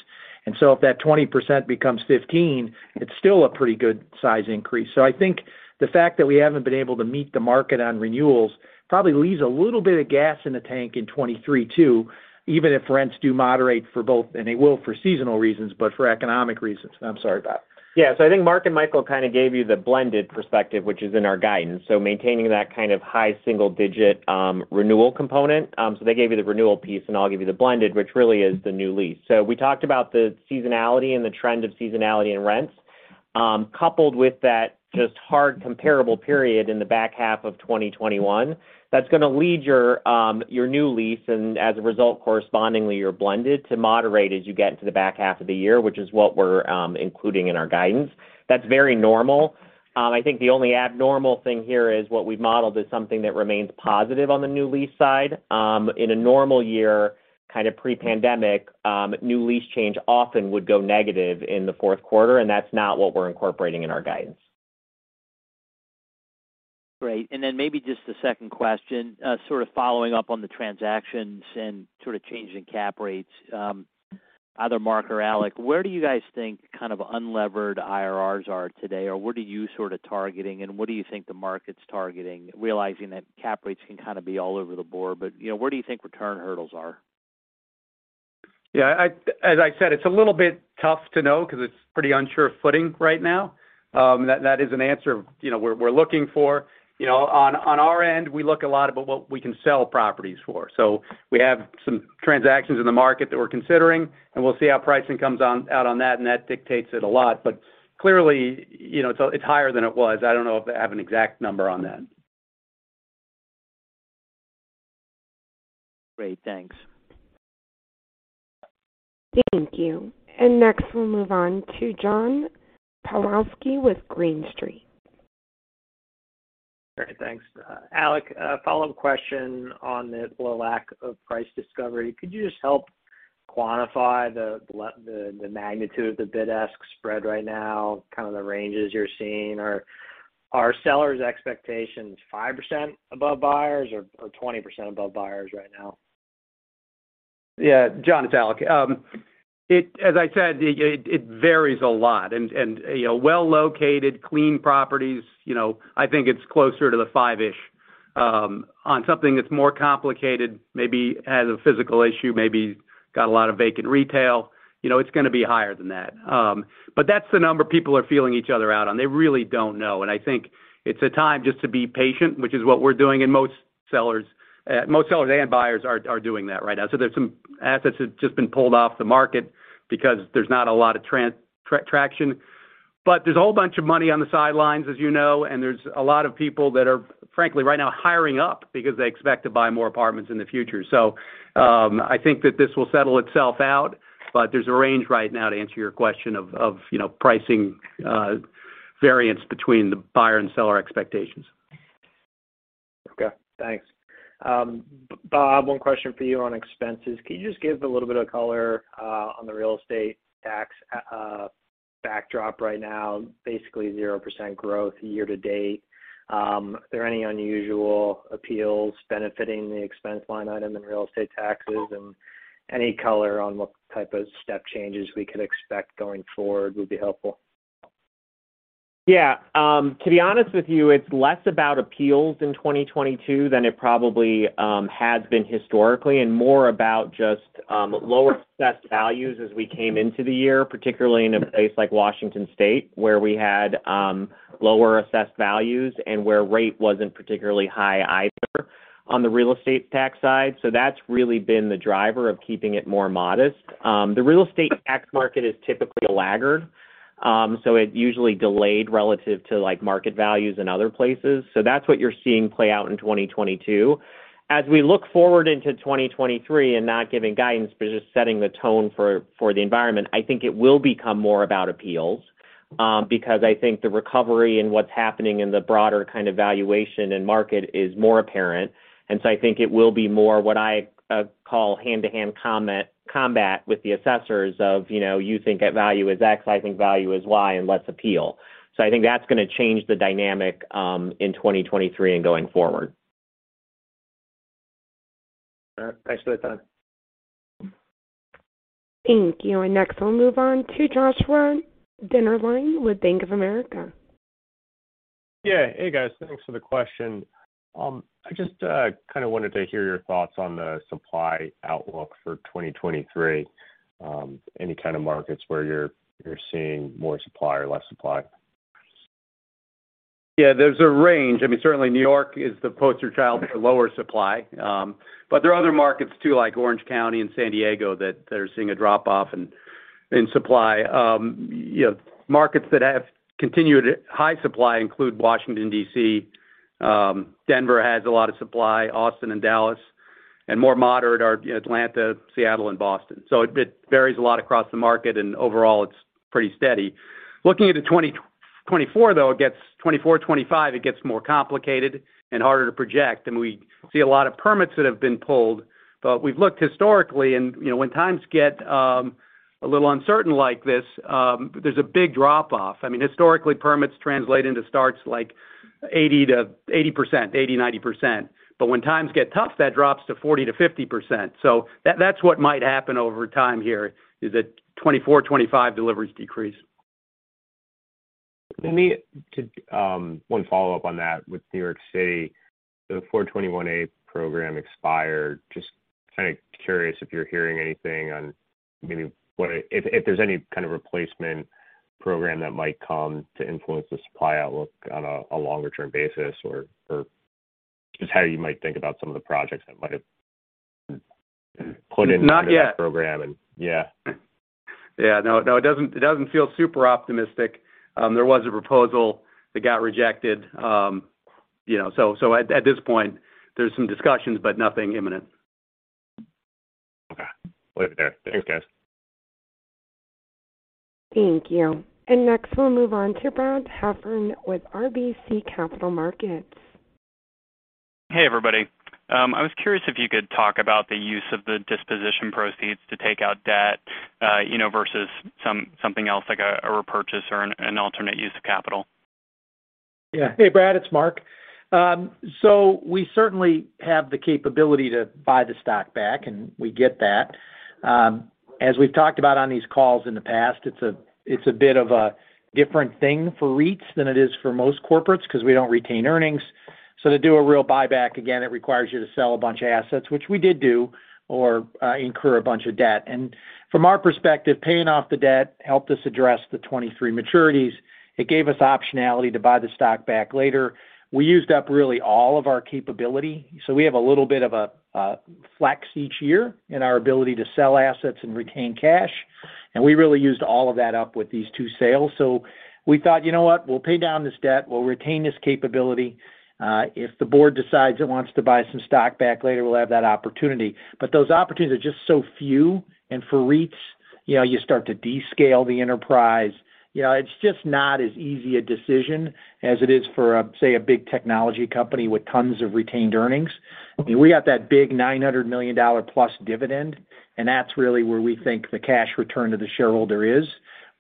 If that 20% becomes 15%, it's still a pretty good size increase. I think the fact that we haven't been able to meet the market on renewals probably leaves a little bit of gas in the tank in 2023 too, even if rents do moderate for both, and they will for seasonal reasons, but for economic reasons. I'm sorry, Bob. Yeah. I think Mark and Michael kind of gave you the blended perspective, which is in our guidance, so maintaining that kind of high single digit renewal component. They gave you the renewal piece, and I'll give you the blended, which really is the new lease. We talked about the seasonality and the trend of seasonality in rents, coupled with that just hard comparable period in the back half of 2021. That's gonna lead your new lease, and as a result, correspondingly, your blended to moderate as you get into the back half of the year, which is what we're including in our guidance. That's very normal. I think the only abnormal thing here is what we've modeled is something that remains positive on the new lease side. In a normal year, kind of pre-pandemic, new lease change often would go negative in the fourth quarter, and that's not what we're incorporating in our guidance. Great. Maybe just the second question, sort of following up on the transactions and sort of changing cap rates, either Mark or Alec, where do you guys think kind of Unlevered IRRs are today? Or where do you sort of targeting, and what do you think the market's targeting, realizing that cap rates can kind of be all over the board, but, you know, where do you think return hurdles are? Yeah, as I said, it's a little bit tough to know because it's pretty unsure footing right now. That is an answer, you know, we're looking for. You know, on our end, we look a lot about what we can sell properties for. So we have some transactions in the market that we're considering, and we'll see how pricing comes out on that, and that dictates it a lot. Clearly, you know, it's higher than it was. I don't know if I have an exact number on that. Great. Thanks. Thank you. Next we'll move on to John Pawlowski with Green Street. All right, thanks. Alec, a follow-up question on the lack of price discovery. Could you just help quantify the magnitude of the bid-ask spread right now, kind of the ranges you're seeing or are sellers' expectations 5% above buyers or 20% above buyers right now? Yeah, John, it's Alec. As I said, it varies a lot. You know, well-located clean properties, you know, I think it's closer to the 5%-ish. On something that's more complicated, maybe has a physical issue, maybe got a lot of vacant retail, you know, it's gonna be higher than that. But that's the number people are feeling each other out on. They really don't know. I think it's a time just to be patient, which is what we're doing, and most sellers and buyers are doing that right now. There's some assets that have just been pulled off the market because there's not a lot of traction. There's a whole bunch of money on the sidelines, as you know, and there's a lot of people that are, frankly, right now hiring up because they expect to buy more apartments in the future. I think that this will settle itself out, but there's a range right now to answer your question of, you know, pricing variance between the buyer and seller expectations. Okay, thanks. Bob, one question for you on expenses. Can you just give a little bit of color on the real estate tax backdrop right now, basically 0% growth year-to-date? Are there any unusual appeals benefiting the expense line item in real estate taxes? Any color on what type of step changes we could expect going forward would be helpful. Yeah. To be honest with you, it's less about appeals in 2022 than it probably has been historically and more about just lower assessed values as we came into the year, particularly in a place like Washington State, where we had lower assessed values and where rate wasn't particularly high either on the real estate tax side. That's really been the driver of keeping it more modest. The real estate tax market is typically a laggard, so it usually delayed relative to like market values in other places. That's what you're seeing play out in 2022. As we look forward into 2023 and not giving guidance, but just setting the tone for the environment, I think it will become more about appeals, because I think the recovery and what's happening in the broader kind of valuation and market is more apparent. I think it will be more what I call hand-to-hand combat with the assessors of, you know, you think that value is X, I think value is Y, and let's appeal. I think that's gonna change the dynamic in 2023 and going forward. All right. Thanks for your time. Thank you. Next we'll move on to Joshua Dennerlein with Bank of America. Yeah. Hey, guys. Thanks for the question. I just kind of wanted to hear your thoughts on the supply outlook for 2023. Any kind of markets where you're seeing more supply or less supply? Yeah, there's a range. I mean, certainly New York is the poster child for lower supply. There are other markets too, like Orange County and San Diego that are seeing a drop-off in supply. You know, markets that have continued high supply include Washington, D.C., Denver has a lot of supply, Austin and Dallas, and more moderate are, you know, Atlanta, Seattle and Boston. It varies a lot across the market and overall it's pretty steady. Looking into 2024, though, it gets 2024, 2025, it gets more complicated and harder to project. We see a lot of permits that have been pulled. We've looked historically and, you know, when times get a little uncertain like this, there's a big drop-off. I mean, historically, permits translate into starts like 80%-90%. When times get tough, that drops to 40%-50%. That, that's what might happen over time here, is that 2024, 2025 deliveries decrease. Let me wanna follow up on that with New York City, the 421-a program expired. Just kind of curious if you're hearing anything on maybe if there's any kind of replacement program that might come to influence the supply outlook on a longer term basis or just how you might think about some of the projects that might have been put into that program? Not yet. Yeah. Yeah. No, it doesn't feel super optimistic. There was a proposal that got rejected, you know. At this point, there's some discussions but nothing imminent. Okay. We'll leave it there. Thanks, guys. Thank you. Next we'll move on to Brad Heffern with RBC Capital Markets. Hey, everybody. I was curious if you could talk about the use of the disposition proceeds to take out debt, you know, versus something else like a repurchase or an alternate use of capital? Hey, Brad, it's Mark. We certainly have the capability to buy the stock back, and we get that. As we've talked about on these calls in the past, it's a bit of a different thing for REITs than it is for most corporates 'cause we don't retain earnings. To do a real buyback, again, it requires you to sell a bunch of assets, which we did do or incur a bunch of debt. From our perspective, paying off the debt helped us address the 23 maturities. It gave us optionality to buy the stock back later. We used up really all of our capability. We have a little bit of a flex each year in our ability to sell assets and retain cash. We really used all of that up with these two sales. We thought, "You know what? We'll pay down this debt. We'll retain this capability. If the board decides it wants to buy some stock back later, we'll have that opportunity." Those opportunities are just so few. For REITs, you know, you start to downscale the enterprise. You know, it's just not as easy a decision as it is for a, say, a big technology company with tons of retained earnings. I mean, we got that big $900 million-plus dividend, and that's really where we think the cash return to the shareholder is.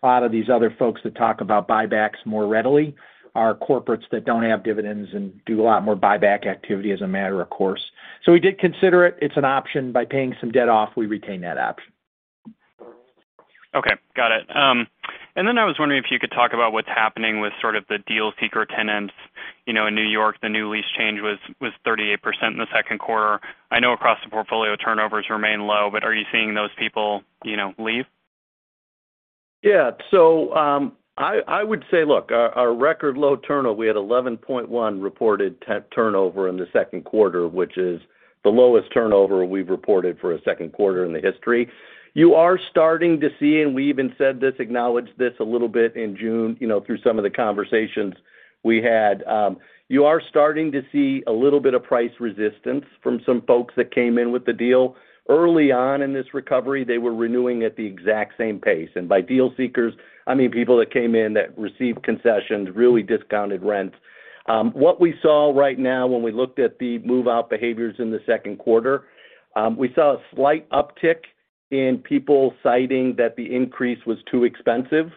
A lot of these other folks that talk about buybacks more readily are corporates that don't have dividends and do a lot more buyback activity as a matter of course. We did consider it's an option. By paying some debt off, we retain that option. Okay, got it. I was wondering if you could talk about what's happening with sort of the deal-seeker tenants. You know, in New York, the new lease change was 38% in the second quarter. I know across the portfolio, turnovers remain low, but are you seeing those people, you know, leave? Yeah. I would say, look, our record low turnover, we had 11.1% reported turnover in the second quarter, which is the lowest turnover we've reported for a second quarter in the history. You are starting to see, and we even said this, acknowledged this a little bit in June, you know, through some of the conversations we had. You are starting to see a little bit of price resistance from some folks that came in with the deal. Early on in this recovery, they were renewing at the exact same pace. By deal seekers, I mean people that came in that received concessions, really discounted rents. What we saw right now, when we looked at the move-out behaviors in the second quarter, we saw a slight uptick in people citing that the increase was too expensive,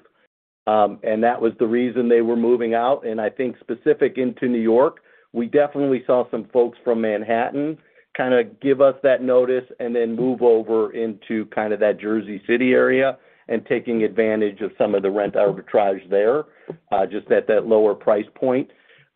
and that was the reason they were moving out. I think specific into New York, we definitely saw some folks from Manhattan kinda give us that notice and then move over into kind of that Jersey City area and taking advantage of some of the rent arbitrage there, just at that lower price point.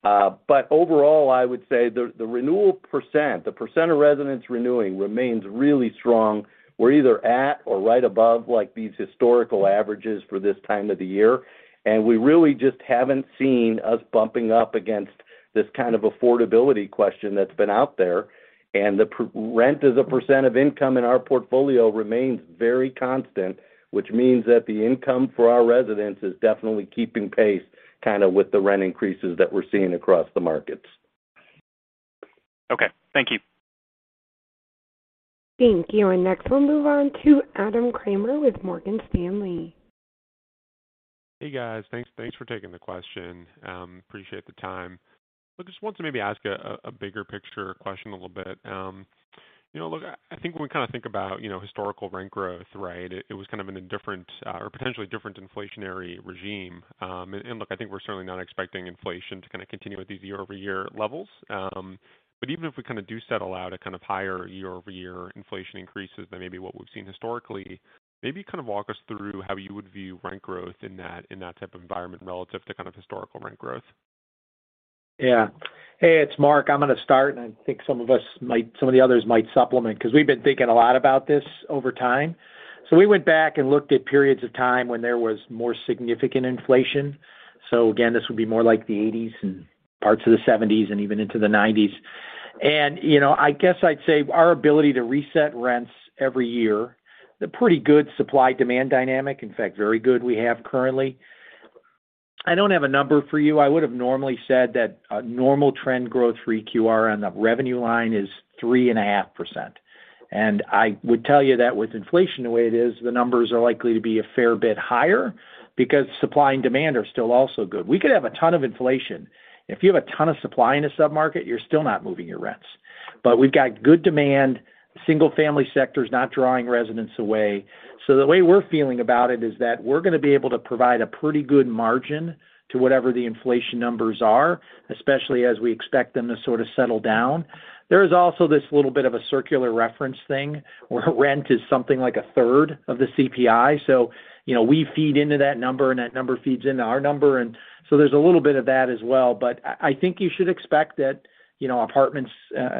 But overall, I would say the renewal percent, the percent of residents renewing remains really strong. We're either at or right above, like, these historical averages for this time of the year, and we really just haven't seen us bumping up against this kind of affordability question that's been out there. The per- rent as a percent of income in our portfolio remains very constant, which means that the income for our residents is definitely keeping pace kinda with the rent increases that we're seeing across the markets. Okay, thank you. Thank you. Next, we'll move on to Adam Kramer with Morgan Stanley. Hey, guys. Thanks for taking the question. Appreciate the time. Look, just want to maybe ask a bigger picture question a little bit. You know, look, I think when we kinda think about historical rent growth, right? It was kind of in a different or potentially different inflationary regime. Look, I think we're certainly not expecting inflation to kinda continue at these year-over-year levels. Even if we kinda do settle at a kind of higher year-over-year inflation increases than maybe what we've seen historically, maybe kind of walk us through how you would view rent growth in that type of environment relative to kind of historical rent growth. Yeah. Hey, it's Mark. I'm gonna start, and I think some of the others might supplement, 'cause we've been thinking a lot about this over time. We went back and looked at periods of time when there was more significant inflation. Again, this would be more like the eighties and parts of the seventies and even into the nineties. You know, I guess I'd say our ability to reset rents every year, the pretty good supply-demand dynamic, in fact, very good we have currently. I don't have a number for you. I would have normally said that a normal trend growth for EQR on the revenue line is 3.5%. I would tell you that with inflation the way it is, the numbers are likely to be a fair bit higher because supply and demand are still also good. We could have a ton of inflation. If you have a ton of supply in a sub-market, you're still not moving your rents. We've got good demand. Single family sector is not drawing residents away. The way we're feeling about it is that we're gonna be able to provide a pretty good margin to whatever the inflation numbers are, especially as we expect them to sort of settle down. There is also this little bit of a circular reference thing where rent is something like 1/3 of the CPI. You know, we feed into that number, and that number feeds into our number. There's a little bit of that as well. I think you should expect that, you know, apartments,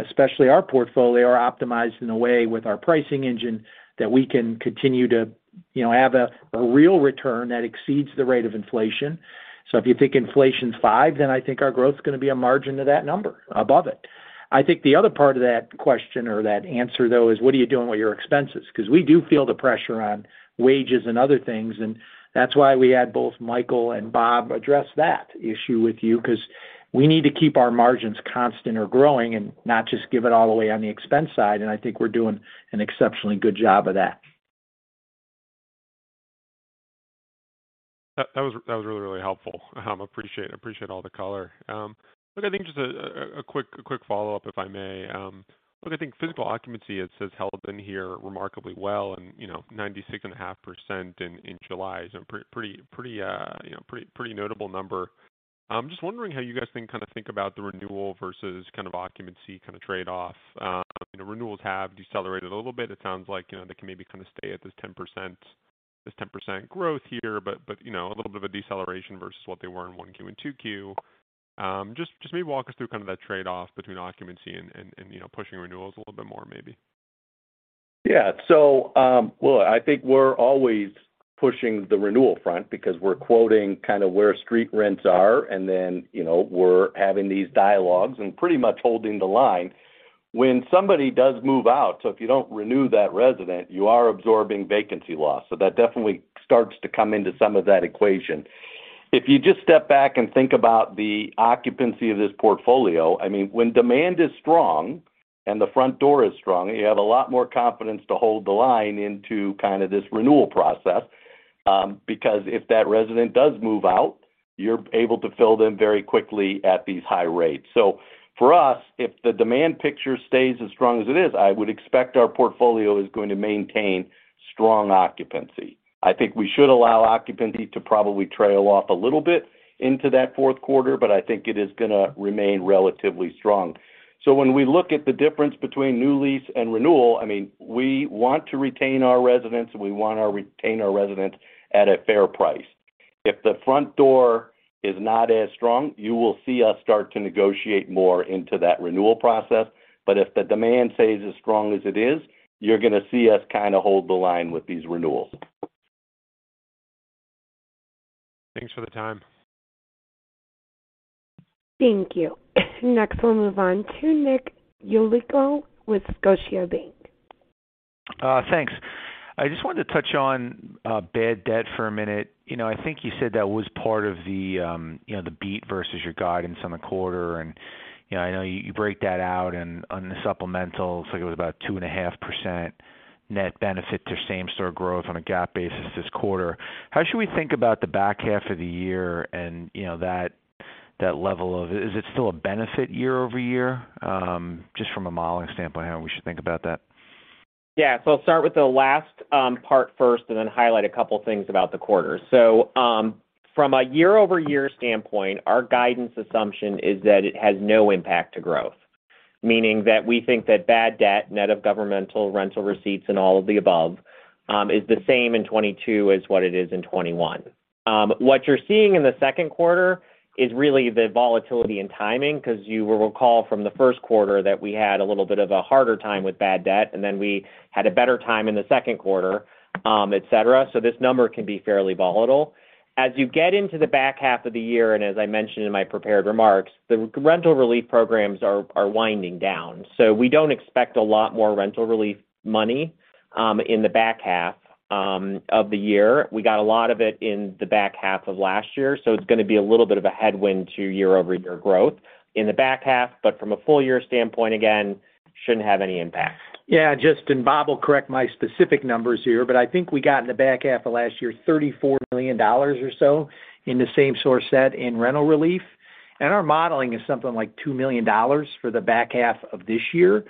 especially our portfolio, are optimized in a way with our pricing engine that we can continue to, you know, have a real return that exceeds the rate of inflation. If you think inflation's 5%, then I think our growth's gonna be a margin to that number, above it. I think the other part of that question or that answer, though, is what are you doing with your expenses? 'Cause we do feel the pressure on wages and other things, and that's why we had both Michael and Bob address that issue with you, 'cause we need to keep our margins constant or growing and not just give it all away on the expense side, and I think we're doing an exceptionally good job of that. That was really helpful. Appreciate all the color. Look, I think just a quick follow-up, if I may. Look, I think physical occupancy, it says, held in here remarkably well and, you know, 96.5% in July is a pretty notable number. I'm just wondering how you guys kinda think about the renewal versus kind of occupancy kinda trade-off. You know, renewals have decelerated a little bit. It sounds like, you know, they can maybe kinda stay at this 10% growth here, but you know, a little bit of a deceleration versus what they were in 1Q and 2Q. Just maybe walk us through kind of that trade-off between occupancy and you know, pushing renewals a little bit more maybe? Yeah, look, I think we're always pushing the renewal front because we're quoting kinda where street rents are and then, you know, we're having these dialogues and pretty much holding the line. When somebody does move out, if you don't renew that resident, you are absorbing vacancy loss. That definitely starts to come into some of that equation. If you just step back and think about the occupancy of this portfolio, I mean, when demand is strong and the front door is strong, you have a lot more confidence to hold the line into kinda this renewal process. Because if that resident does move out, you're able to fill them very quickly at these high rates. For us, if the demand picture stays as strong as it is, I would expect our portfolio is going to maintain strong occupancy. I think we should allow occupancy to probably trail off a little bit into that fourth quarter, but I think it is gonna remain relatively strong. When we look at the difference between new lease and renewal, I mean, we want to retain our residents, and we wanna retain our residents at a fair price. If the front door is not as strong, you will see us start to negotiate more into that renewal process. If the demand stays as strong as it is, you're gonna see us kinda hold the line with these renewals. Thanks for the time. Thank you. Next, we'll move on to Nick Yulico with Scotiabank. Thanks. I just wanted to touch on bad debt for a minute. You know, I think you said that was part of the you know, the beat versus your guidance on the quarter. You know, I know you break that out and on the supplementals, like it was about 2.5% net benefit to same-store growth on a GAAP basis this quarter. How should we think about the back half of the year and, you know, that level of. Is it still a benefit year over year? Just from a modeling standpoint, how we should think about that. I'll start with the last part first and then highlight a couple things about the quarter. From a year-over-year standpoint, our guidance assumption is that it has no impact to growth. Meaning that we think that bad debt, net of governmental rental receipts and all of the above, is the same in 2022 as what it is in 2021. What you're seeing in the second quarter is really the volatility and timing, 'cause you will recall from the first quarter that we had a little bit of a harder time with bad debt, and then we had a better time in the second quarter, et cetera. This number can be fairly volatile. As you get into the back half of the year, and as I mentioned in my prepared remarks, the rental relief programs are winding down. We don't expect a lot more rental relief money in the back half of the year. We got a lot of it in the back half of last year, so it's gonna be a little bit of a headwind to year-over-year growth in the back half. From a full year standpoint, again, shouldn't have any impact. Yeah, and Bob will correct my specific numbers here, but I think we got in the back half of last year $34 million or so in the same-store NOI in rental relief. Our modeling is something like $2 million for the back half of this year.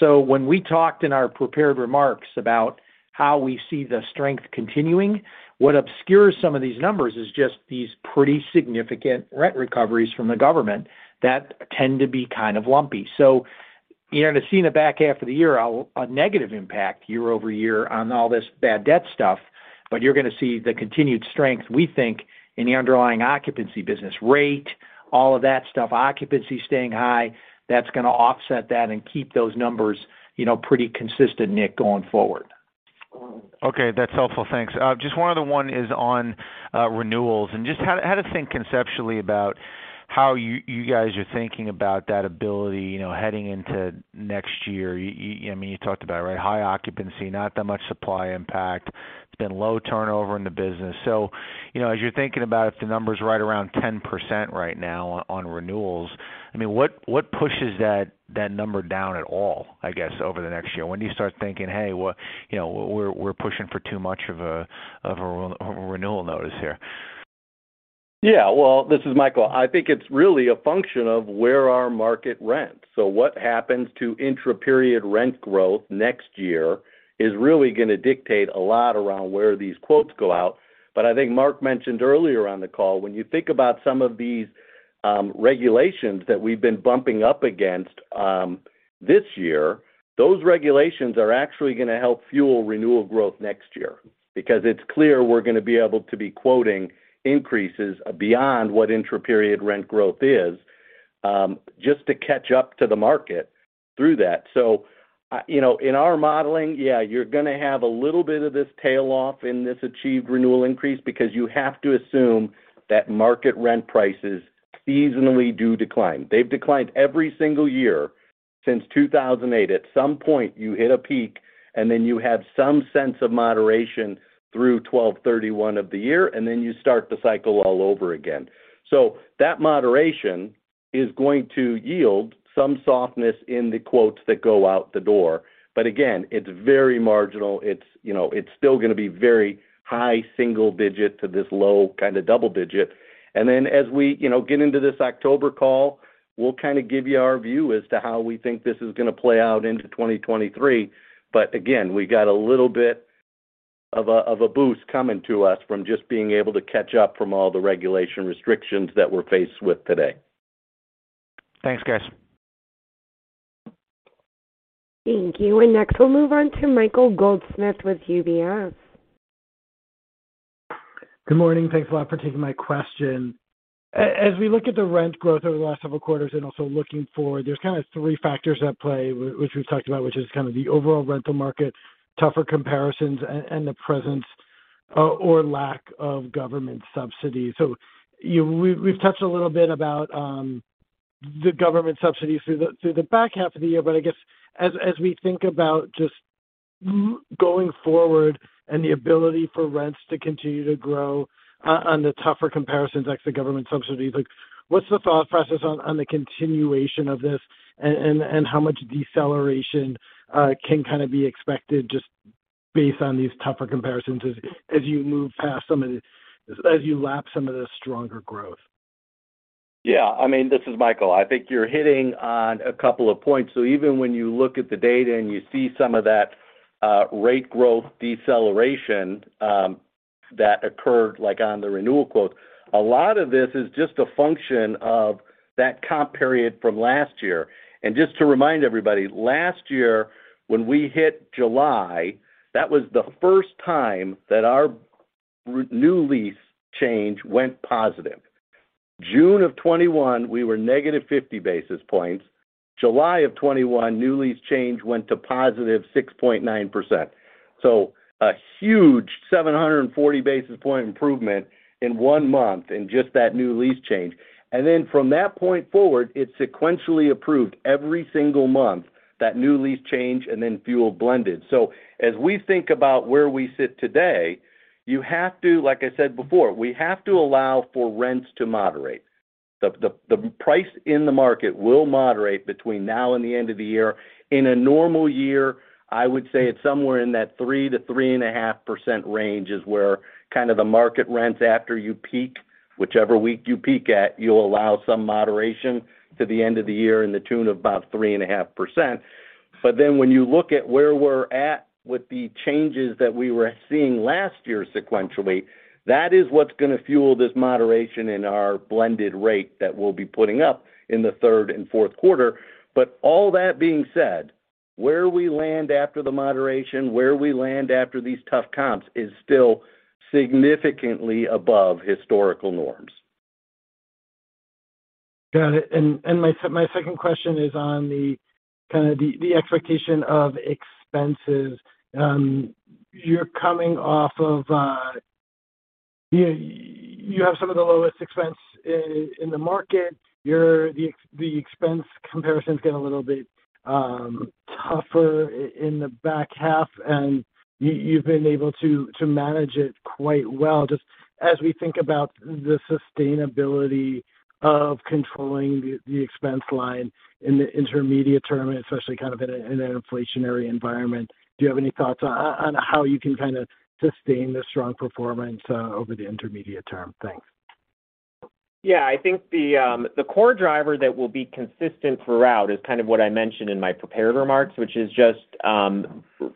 When we talked in our prepared remarks about how we see the strength continuing, what obscures some of these numbers is just these pretty significant rent recoveries from the government that tend to be kind of lumpy. You know, to see in the back half of the year a negative impact year-over-year on all this bad debt stuff, but you're gonna see the continued strength, we think, in the underlying occupancy business rate, all of that stuff, occupancy staying high, that's gonna offset that and keep those numbers, you know, pretty consistent, Nick, going forward. Okay, that's helpful. Thanks. Just one other one is on renewals. Just how to think conceptually about how you guys are thinking about that ability, you know, heading into next year. You, I mean, you talked about, right, high occupancy, not that much supply impact. It's been low turnover in the business. You know, as you're thinking about if the number's right around 10% right now on renewals, I mean, what pushes that number down at all, I guess, over the next year? When do you start thinking, hey, what, you know, we're pushing for too much of a renewal notice here? Yeah. Well, this is Michael. I think it's really a function of where our market rents. What happens to intra-period rent growth next year is really gonna dictate a lot around where these quotes go out. I think Mark mentioned earlier on the call, when you think about some of these regulations that we've been bumping up against this year, those regulations are actually gonna help fuel renewal growth next year. It's clear we're gonna be able to be quoting increases beyond what intra-period rent growth is just to catch up to the market through that. You know, in our modeling, yeah, you're gonna have a little bit of this tail off in this achieved renewal increase because you have to assume that market rent prices seasonally do decline. They've declined every single year since 2008. At some point, you hit a peak, and then you have some sense of moderation through 12/31 of the year, and then you start the cycle all over again. That moderation is going to yield some softness in the quotes that go out the door. Again, it's very marginal. It's, you know, it's still gonna be very high single digit to this low kind of double digit. Then as we, you know, get into this October call, we'll kinda give you our view as to how we think this is gonna play out into 2023. Again, we got a little bit of a boost coming to us from just being able to catch up from all the regulatory restrictions that we're faced with today. Thanks, guys. Thank you. Next, we'll move on to Michael Goldsmith with UBS. Good morning. Thanks a lot for taking my question. As we look at the rent growth over the last several quarters and also looking forward, there's kind of three factors at play, which we've talked about, which is kind of the overall rental market, tougher comparisons, and the presence or lack of government subsidies. We've touched a little bit about the government subsidies through the back half of the year, but I guess as we think about just going forward and the ability for rents to continue to grow on the tougher comparisons, like the government subsidies, like what's the thought process on the continuation of this and how much deceleration can kind of be expected just based on these tougher comparisons as you move past some of the, as you lap some of the stronger growth. Yeah, I mean, this is Michael. I think you're hitting on a couple of points. Even when you look at the data and you see some of that rate growth deceleration that occurred, like, on the renewal rate, a lot of this is just a function of that comp period from last year. Just to remind everybody, last year, when we hit July, that was the first time that our renewal lease change went positive. June of 2021, we were -50 basis points. July of 2021, new lease change went to +6.9%. A huge 740 basis point improvement in one month in just that new lease change. Then from that point forward, it sequentially improved every single month that new lease change and then full blended. As we think about where we sit today, you have to, like I said before, we have to allow for rents to moderate. The price in the market will moderate between now and the end of the year. In a normal year, I would say it's somewhere in that 3%-3.5% range is where kind of the market rents after you peak. Whichever week you peak at, you'll allow some moderation to the end of the year in the tune of about 3.5%. When you look at where we're at with the changes that we were seeing last year sequentially, that is what's gonna fuel this moderation in our blended rate that we'll be putting up in the third and fourth quarter. All that being said, where we land after the moderation, where we land after these tough comps is still significantly above historical norms. Got it. My second question is on kind of the expectation of expenses. You have some of the lowest expense in the market. The expense comparisons get a little bit tougher in the back half, and you've been able to manage it quite well. Just as we think about the sustainability of controlling the expense line in the intermediate term, and especially kind of in an inflationary environment, do you have any thoughts on how you can kinda sustain the strong performance over the intermediate term? Thanks. Yeah. I think the core driver that will be consistent throughout is kind of what I mentioned in my prepared remarks, which is just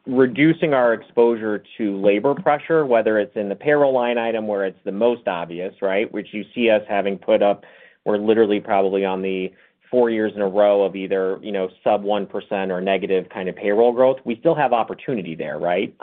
reducing our exposure to labor pressure, whether it's in the payroll line item where it's the most obvious, right? Which you see us having put up, we're literally probably on the four years in a row of either, you know, sub 1% or negative kind of payroll growth. We still have opportunity there, right?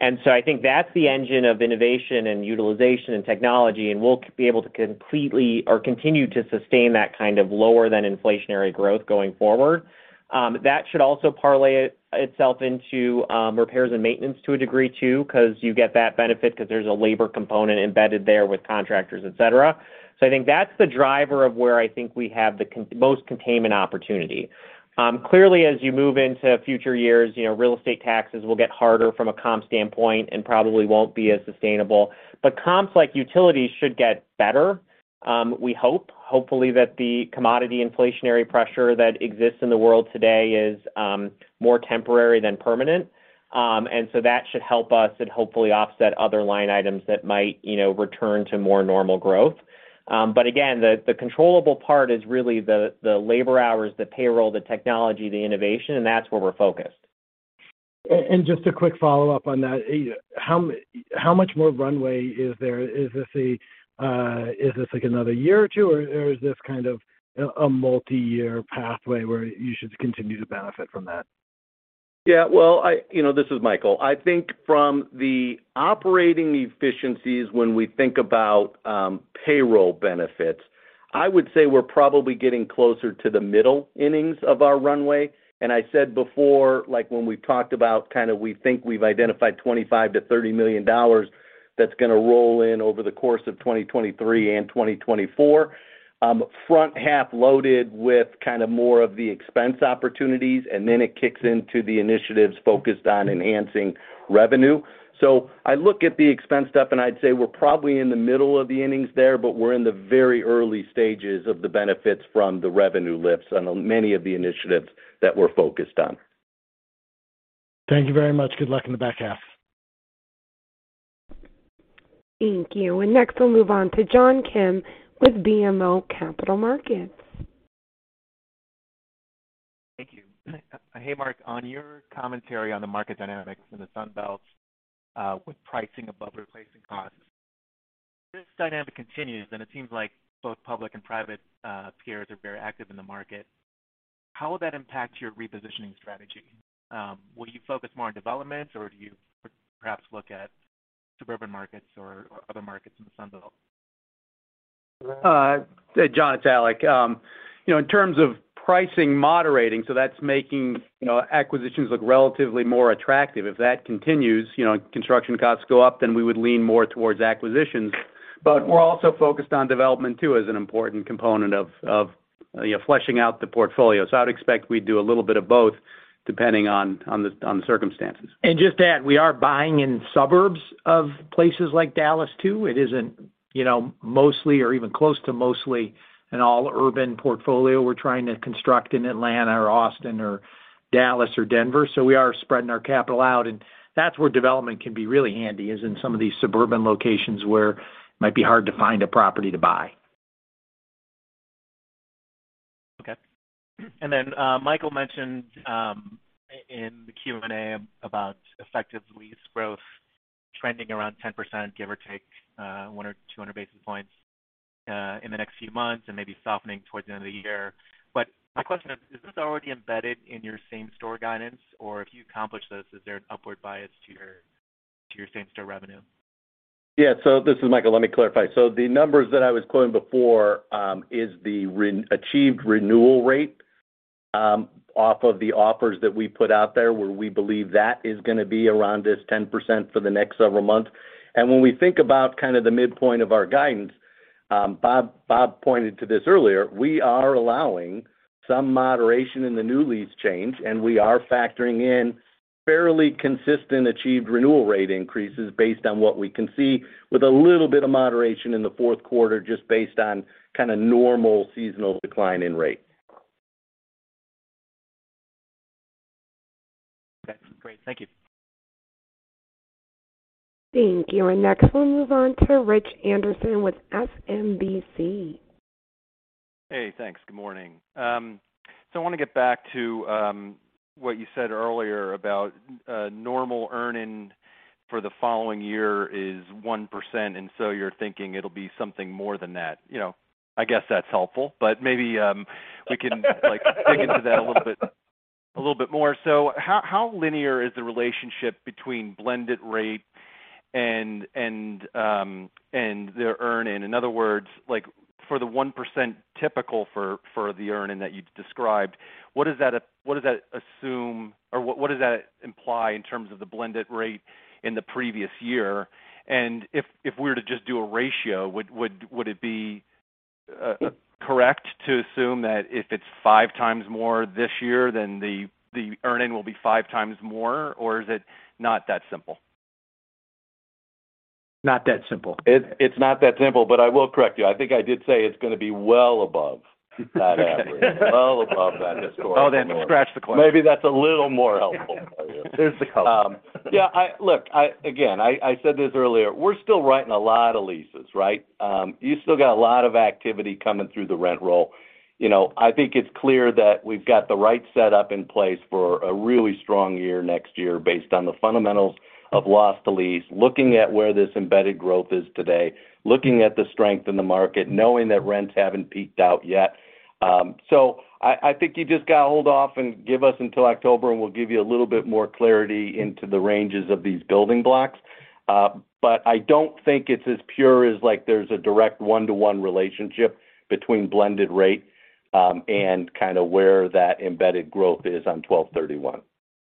I think that's the engine of innovation and utilization and technology, and we'll be able to completely or continue to sustain that kind of lower than inflationary growth going forward. That should also parlay itself into repairs and maintenance to a degree too, 'cause you get that benefit 'cause there's a labor component embedded there with contractors, et cetera. I think that's the driver of where I think we have the most containment opportunity. Clearly, as you move into future years, you know, real estate taxes will get harder from a comp standpoint and probably won't be as sustainable. Comps like utilities should get better, we hope. Hopefully, that the commodity inflationary pressure that exists in the world today is more temporary than permanent. That should help us and hopefully offset other line items that might, you know, return to more normal growth. Again, the controllable part is really the labor hours, the payroll, the technology, the innovation, and that's where we're focused. Just a quick follow-up on that. How much more runway is there? Is this, like, another year or two, or is this kind of a multiyear pathway where you should continue to benefit from that? Yeah. Well, you know, this is Michael. I think from the operating efficiencies when we think about payroll benefits, I would say we're probably getting closer to the middle innings of our runway. I said before, like, when we talked about kind of we think we've identified $25 million-$30 million that's gonna roll in over the course of 2023 and 2024, front half loaded with kind of more of the expense opportunities, and then it kicks into the initiatives focused on enhancing revenue. I look at the expense stuff, and I'd say we're probably in the middle of the innings there, but we're in the very early stages of the benefits from the revenue lifts on many of the initiatives that we're focused on. Thank you very much. Good luck in the back half. Thank you. Next, we'll move on to John Kim with BMO Capital Markets. Thank you. Hey, Mark. On your commentary on the market dynamics in the Sun Belt with pricing above replacement costs. If this dynamic continues, and it seems like both public and private peers are very active in the market, how will that impact your repositioning strategy? Will you focus more on developments, or do you perhaps look at suburban markets or other markets in the Sun Belt? John, it's Alec. You know, in terms of pricing moderating, so that's making, you know, acquisitions look relatively more attractive. If that continues, you know, construction costs go up, then we would lean more towards acquisitions. We're also focused on development too, as an important component of, you know, fleshing out the portfolio. I'd expect we'd do a little bit of both depending on the circumstances. Just to add, we are buying in suburbs of places like Dallas too. It isn't, you know, mostly or even close to mostly an all urban portfolio we're trying to construct in Atlanta or Austin or Dallas or Denver. We are spreading our capital out, and that's where development can be really handy, is in some of these suburban locations where it might be hard to find a property to buy. Okay. Michael mentioned in the Q&A about effective lease growth trending around 10%, give or take, 100 or 200 basis points, in the next few months and maybe softening towards the end of the year. My question is this already embedded in your same-store guidance? Or if you accomplish this, is there an upward bias to your same-store revenue? Yeah. This is Michael. Let me clarify. The numbers that I was quoting before is the re-achieved renewal rate off of the offers that we put out there, where we believe that is gonna be around this 10% for the next several months. When we think about kind of the midpoint of our guidance, Bob pointed to this earlier, we are allowing some moderation in the new lease change, and we are factoring in fairly consistent achieved renewal rate increases based on what we can see with a little bit of moderation in the fourth quarter, just based on kinda normal seasonal decline in rate. Okay, great. Thank you. Thank you. Next, we'll move on to Rich Anderson with SMBC. Hey, thanks. Good morning. I wanna get back to what you said earlier about normal earnings for the following year is 1%, and so you're thinking it'll be something more than that. You know, I guess that's helpful, but maybe we can like dig into that a little bit more. How linear is the relationship between blended rate and the earnings? In other words, like for the 1% typical for the earnings that you described, what does that assume or what does that imply in terms of the blended rate in the previous year? If we were to just do a ratio, would it be correct to assume that if it's five times more this year, then the earn in will be five times more, or is it not that simple? Not that simple. It's not that simple, but I will correct you. I think I did say it's gonna be well above that average. Well above that historical. Oh, scratch the quote. Maybe that's a little more helpful. There's the quote. Yeah, look, again, I said this earlier. We're still writing a lot of leases, right? You still got a lot of activity coming through the rent roll. You know, I think it's clear that we've got the right setup in place for a really strong year next year based on the fundamentals of loss to lease, looking at where this embedded growth is today, looking at the strength in the market, knowing that rents haven't peaked out yet. So I think you just gotta hold off and give us until October, and we'll give you a little bit more clarity into the ranges of these building blocks. I don't think it's as pure as like there's a direct one-to-one relationship between blended rate and kinda where that embedded growth is on 12/31.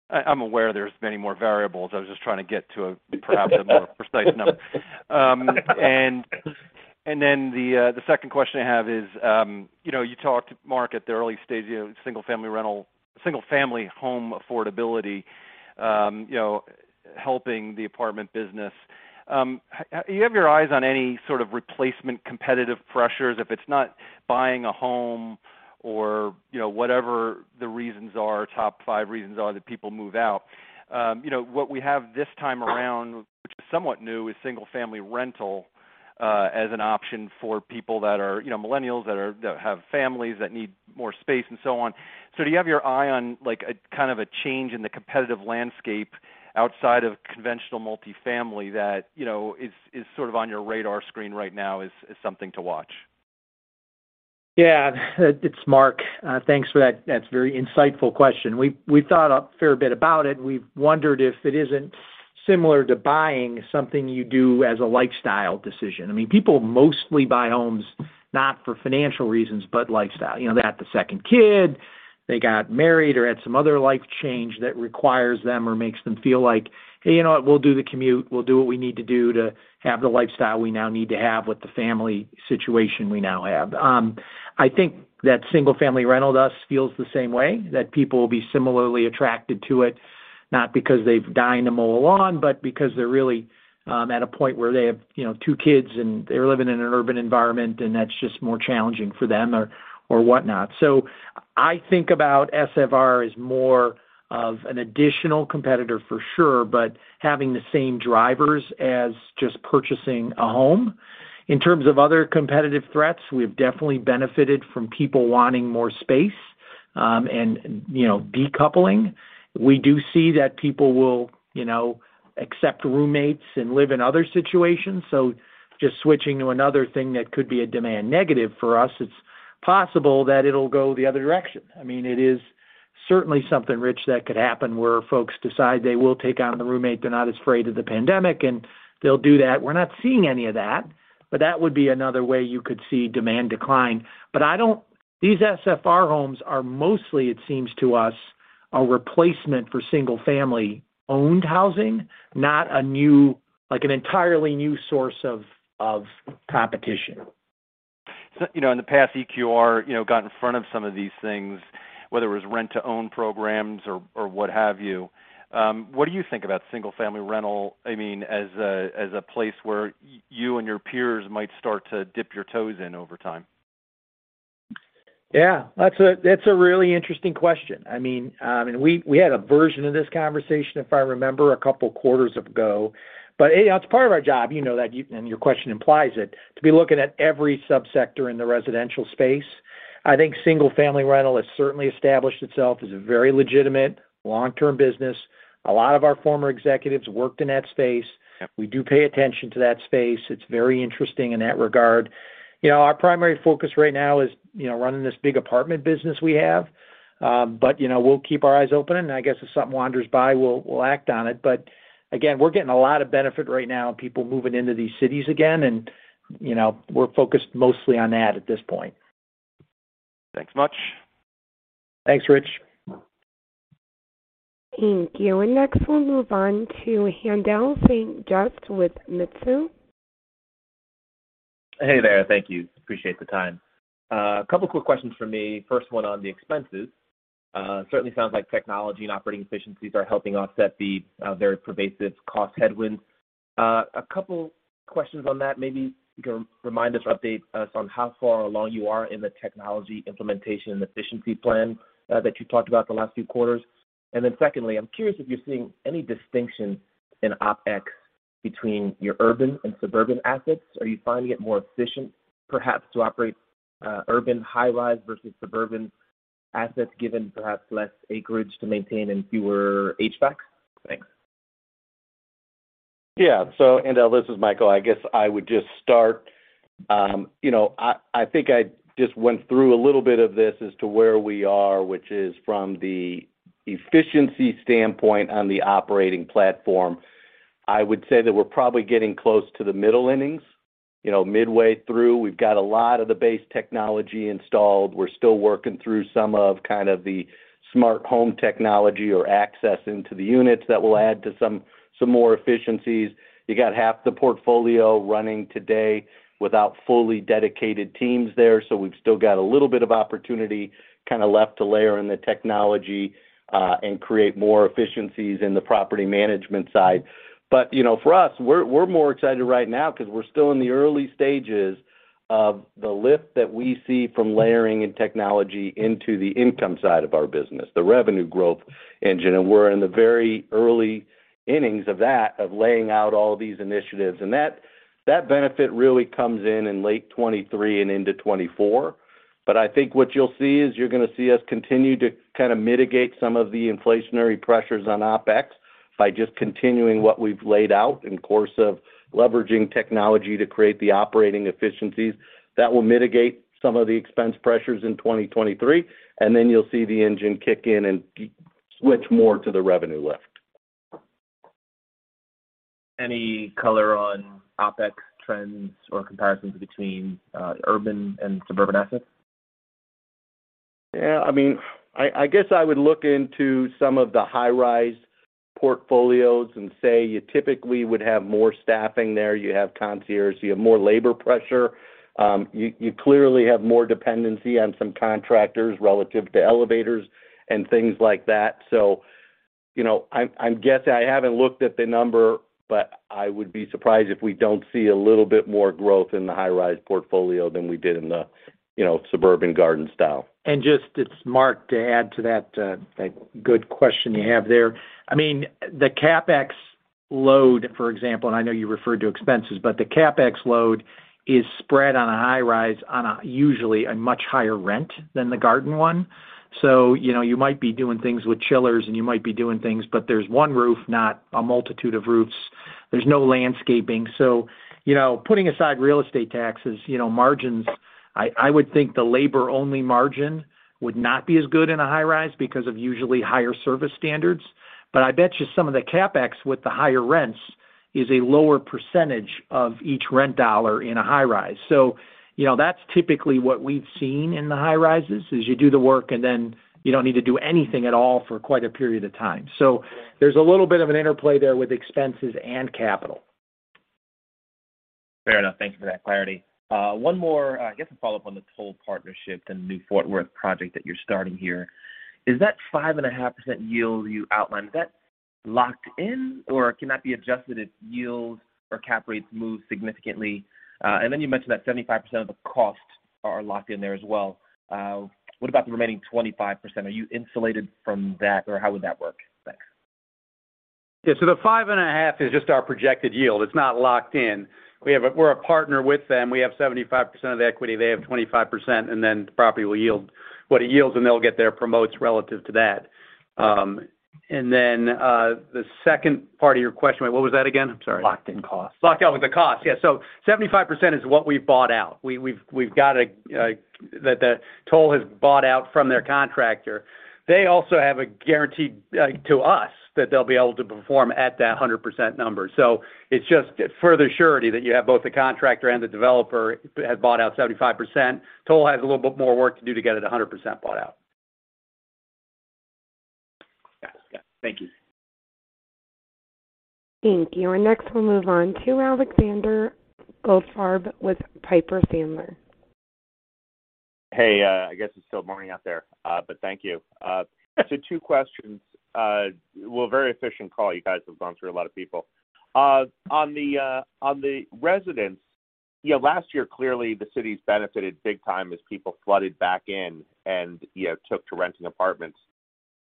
I'm aware there's many more variables. I was just trying to get to perhaps a more precise number. The second question I have is, you know, you talked, Mark, at the early stages of single family rental, single family home affordability, you know, helping the apartment business. Have you have your eyes on any sort of replacement competitive pressures if it's not buying a home or, you know, whatever the reasons are, top five reasons are that people move out? You know, what we have this time around, which is somewhat new, is single family rental, as an option for people that are, you know, millennials that have families that need more space and so on. Do you have your eye on, like, a kind of a change in the competitive landscape outside of conventional multifamily that, you know, is sort of on your radar screen right now as something to watch? Yeah. It's Mark. Thanks for that. That's a very insightful question. We've thought a fair bit about it. We've wondered if it isn't similar to buying something you do as a lifestyle decision. I mean, people mostly buy homes not for financial reasons, but lifestyle. You know, they had the second kid, they got married or had some other life change that requires them or makes them feel like, "Hey, you know what? We'll do the commute. We'll do what we need to do to have the lifestyle we now need to have with the family situation we now have." I think that single family rental thus feels the same way, that people will be similarly attracted to it, not because they've declined to mow a lawn, but because they're really at a point where they have, you know, two kids and they're living in an urban environment, and that's just more challenging for them or whatnot. I think about SFR as more of an additional competitor for sure, but having the same drivers as just purchasing a home. In terms of other competitive threats, we've definitely benefited from people wanting more space, and, you know, decoupling. We do see that people will, you know, accept roommates and live in other situations. Just switching to another thing that could be a demand negative for us, it's possible that it'll go the other direction. I mean, it is certainly something, Rich, that could happen where folks decide they will take on the roommate, they're not as afraid of the pandemic, and they'll do that. We're not seeing any of that, but that would be another way you could see demand decline. These SFR homes are mostly, it seems to us, a replacement for single family-owned housing, not a new, like an entirely new source of competition. You know, in the past, EQR, you know, got in front of some of these things, whether it was rent-to-own programs or what have you. What do you think about single family rental, I mean, as a place where you and your peers might start to dip your toes in over time? Yeah, that's a really interesting question. I mean, and we had a version of this conversation, if I remember, a couple quarters ago. You know, it's part of our job, you know, that your question implies it, to be looking at every subsector in the residential space. I think single-family rental has certainly established itself as a very legitimate long-term business. A lot of our former executives worked in that space. We do pay attention to that space. It's very interesting in that regard. You know, our primary focus right now is, you know, running this big apartment business we have. You know, we'll keep our eyes open, and I guess if something wanders by, we'll act on it. Again, we're getting a lot of benefit right now, people moving into these cities again and, you know, we're focused mostly on that at this point. Thanks much. Thanks, Rich. Thank you. Next we'll move on to Haendel St. Juste with Mizuho. Hey there. Thank you. Appreciate the time. A couple quick questions from me. First one on the expenses. Certainly sounds like technology and operating efficiencies are helping offset the very pervasive cost headwinds. A couple questions on that. Maybe you can remind us, update us on how far along you are in the technology implementation and efficiency plan, that you talked about the last few quarters. Secondly, I'm curious if you're seeing any distinction in OpEx between your urban and suburban assets. Are you finding it more efficient perhaps to operate urban high-rise versus suburban assets, given perhaps less acreage to maintain and fewer HVAC? Thanks. Yeah. Haendel, this is Michael. I guess I would just start, you know, I think I just went through a little bit of this as to where we are, which is from the efficiency standpoint on the operating platform. I would say that we're probably getting close to the middle innings, you know, midway through. We've got a lot of the base technology installed. We're still working through some of kind of the smart home technology or access into the units that will add to some more efficiencies. You got half the portfolio running today without fully dedicated teams there. We've still got a little bit of opportunity kind of left to layer in the technology, and create more efficiencies in the property management side. You know, for us, we're more excited right now because we're still in the early stages of the lift that we see from layering in technology into the income side of our business, the revenue growth engine. We're in the very early innings of that, of laying out all these initiatives. That benefit really comes in in late 2023 and into 2024. I think what you'll see is you're gonna see us continue to kind of mitigate some of the inflationary pressures on OpEx by just continuing what we've laid out in the course of leveraging technology to create the operating efficiencies that will mitigate some of the expense pressures in 2023. Then you'll see the engine kick in and switch more to the revenue lift. Any color on OpEx trends or comparisons between urban and suburban assets? Yeah, I mean, I guess I would look into some of the high-rise portfolios and say you typically would have more staffing there. You have concierge, you have more labor pressure. You clearly have more dependency on some contractors relative to elevators and things like that. So, you know, I'm guessing I haven't looked at the number, but I would be surprised if we don't see a little bit more growth in the high-rise portfolio than we did in the, you know, suburban garden style. It's Mark to add to that's a good question you have there. I mean, the CapEx load, for example, and I know you referred to expenses, but the CapEx load is spread on a high-rise on a usually a much higher rent than the garden one. So, you know, you might be doing things with chillers and you might be doing things, but there's one roof, not a multitude of roofs. There's no landscaping. So, you know, putting aside real estate taxes, you know, margins. I would think the labor-only margin would not be as good in a high-rise because of usually higher service standards. But I bet you some of the CapEx with the higher rents is a lower percentage of each rent dollar in a high-rise. You know, that's typically what we've seen in the high-rises, is you do the work, and then you don't need to do anything at all for quite a period of time. There's a little bit of an interplay there with expenses and capital. Fair enough. Thank you for that clarity. One more, I guess, a follow-up on the Toll Brothers partnership and the new Fort Worth project that you're starting here. Is that 5.5% yield you outlined, is that locked in, or can that be adjusted if yields or cap rates move significantly? You mentioned that 75% of the costs are locked in there as well. What about the remaining 25%? Are you insulated from that, or how would that work? Thanks. Yeah. The 5.5% is just our projected yield. It's not locked in. We're a partner with them. We have 75% of the equity, they have 25%, and then the property will yield what it yields, and they'll get their promotes relative to that. The second part of your question, what was that again? I'm sorry. Locked in costs. Locked in with the cost. Yeah. 75% is what we bought out. We've got that Toll has bought out from their contractor. They also have a guarantee to us that they'll be able to perform at that 100% number. It's just further surety that you have both the contractor and the developer has bought out 75%. Toll has a little bit more work to do to get it 100% bought out. Got it. Thank you. Thank you. Next we'll move on to Alexander Goldfarb with Piper Sandler. Hey, I guess it's still morning out there, but thank you. So two questions. Well, very efficient call. You guys have gone through a lot of people. On the residential, you know, last year, clearly the cities benefited big time as people flooded back in and, you know, took to renting apartments.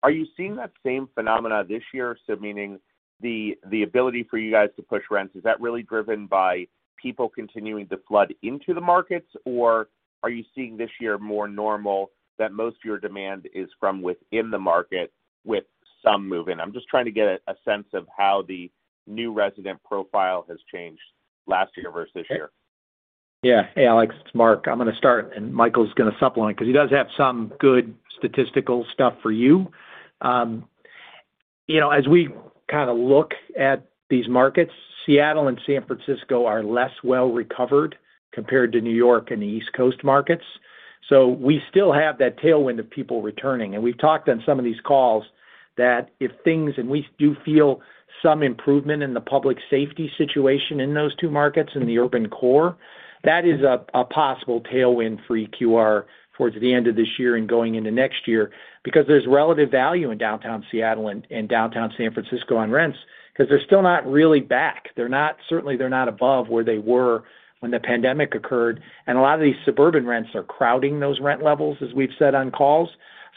Are you seeing that same phenomena this year? So meaning the ability for you guys to push rents, is that really driven by people continuing to flood into the markets, or are you seeing this year more normal that most of your demand is from within the market with some move-in? I'm just trying to get a sense of how the new resident profile has changed last year versus this year. Yeah. Hey, Alex, it's Mark. I'm gonna start, and Michael's gonna supplement 'cause he does have some good statistical stuff for you. You know, as we kinda look at these markets, Seattle and San Francisco are less well recovered compared to New York and the East Coast markets. We still have that tailwind of people returning. We've talked on some of these calls we do feel some improvement in the public safety situation in those two markets in the urban core, that is a possible tailwind for EQR towards the end of this year and going into next year because there's relative value in downtown Seattle and downtown San Francisco on rents 'cause they're still not really back. Certainly, they're not above where they were when the pandemic occurred, and a lot of these suburban rents are crowding those rent levels, as we've said on calls.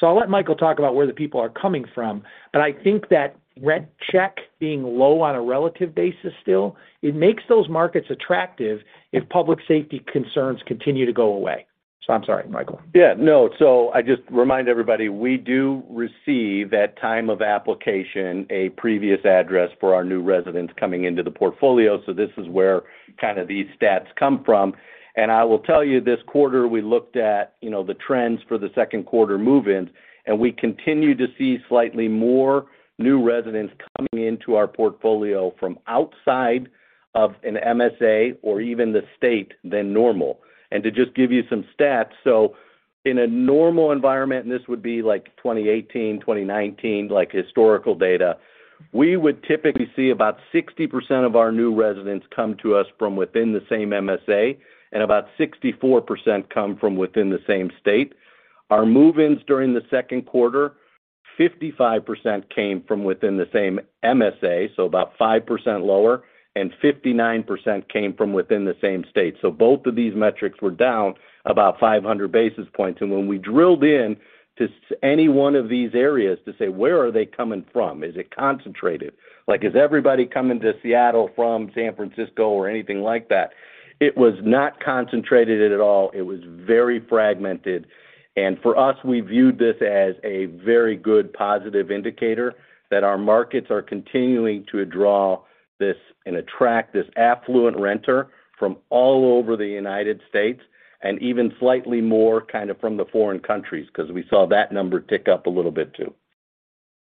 I'll let Michael talk about where the people are coming from, but I think that rent check being low on a relative basis still, it makes those markets attractive if public safety concerns continue to go away. I'm sorry, Michael. Yeah, no. I just remind everybody, we do receive at time of application a previous address for our new residents coming into the portfolio, so this is where kind of these stats come from. I will tell you, this quarter we looked at, you know, the trends for the second quarter move-ins, and we continue to see slightly more new residents coming into our portfolio from outside of an MSA or even the state than normal. To just give you some stats, in a normal environment, and this would be like 2018, 2019, like historical data, we would typically see about 60% of our new residents come to us from within the same MSA and about 64% come from within the same state. Our move-ins during the second quarter, 55% came from within the same MSA, so about 5% lower, and 59% came from within the same state. Both of these metrics were down about 500 basis points. When we drilled into any one of these areas to say, where are they coming from? Is it concentrated? Like, is everybody coming to Seattle from San Francisco or anything like that? It was not concentrated at all. It was very fragmented. For us, we viewed this as a very good positive indicator that our markets are continuing to draw this and attract this affluent renter from all over the United States and even slightly more kind of from the foreign countries 'cause we saw that number tick up a little bit too.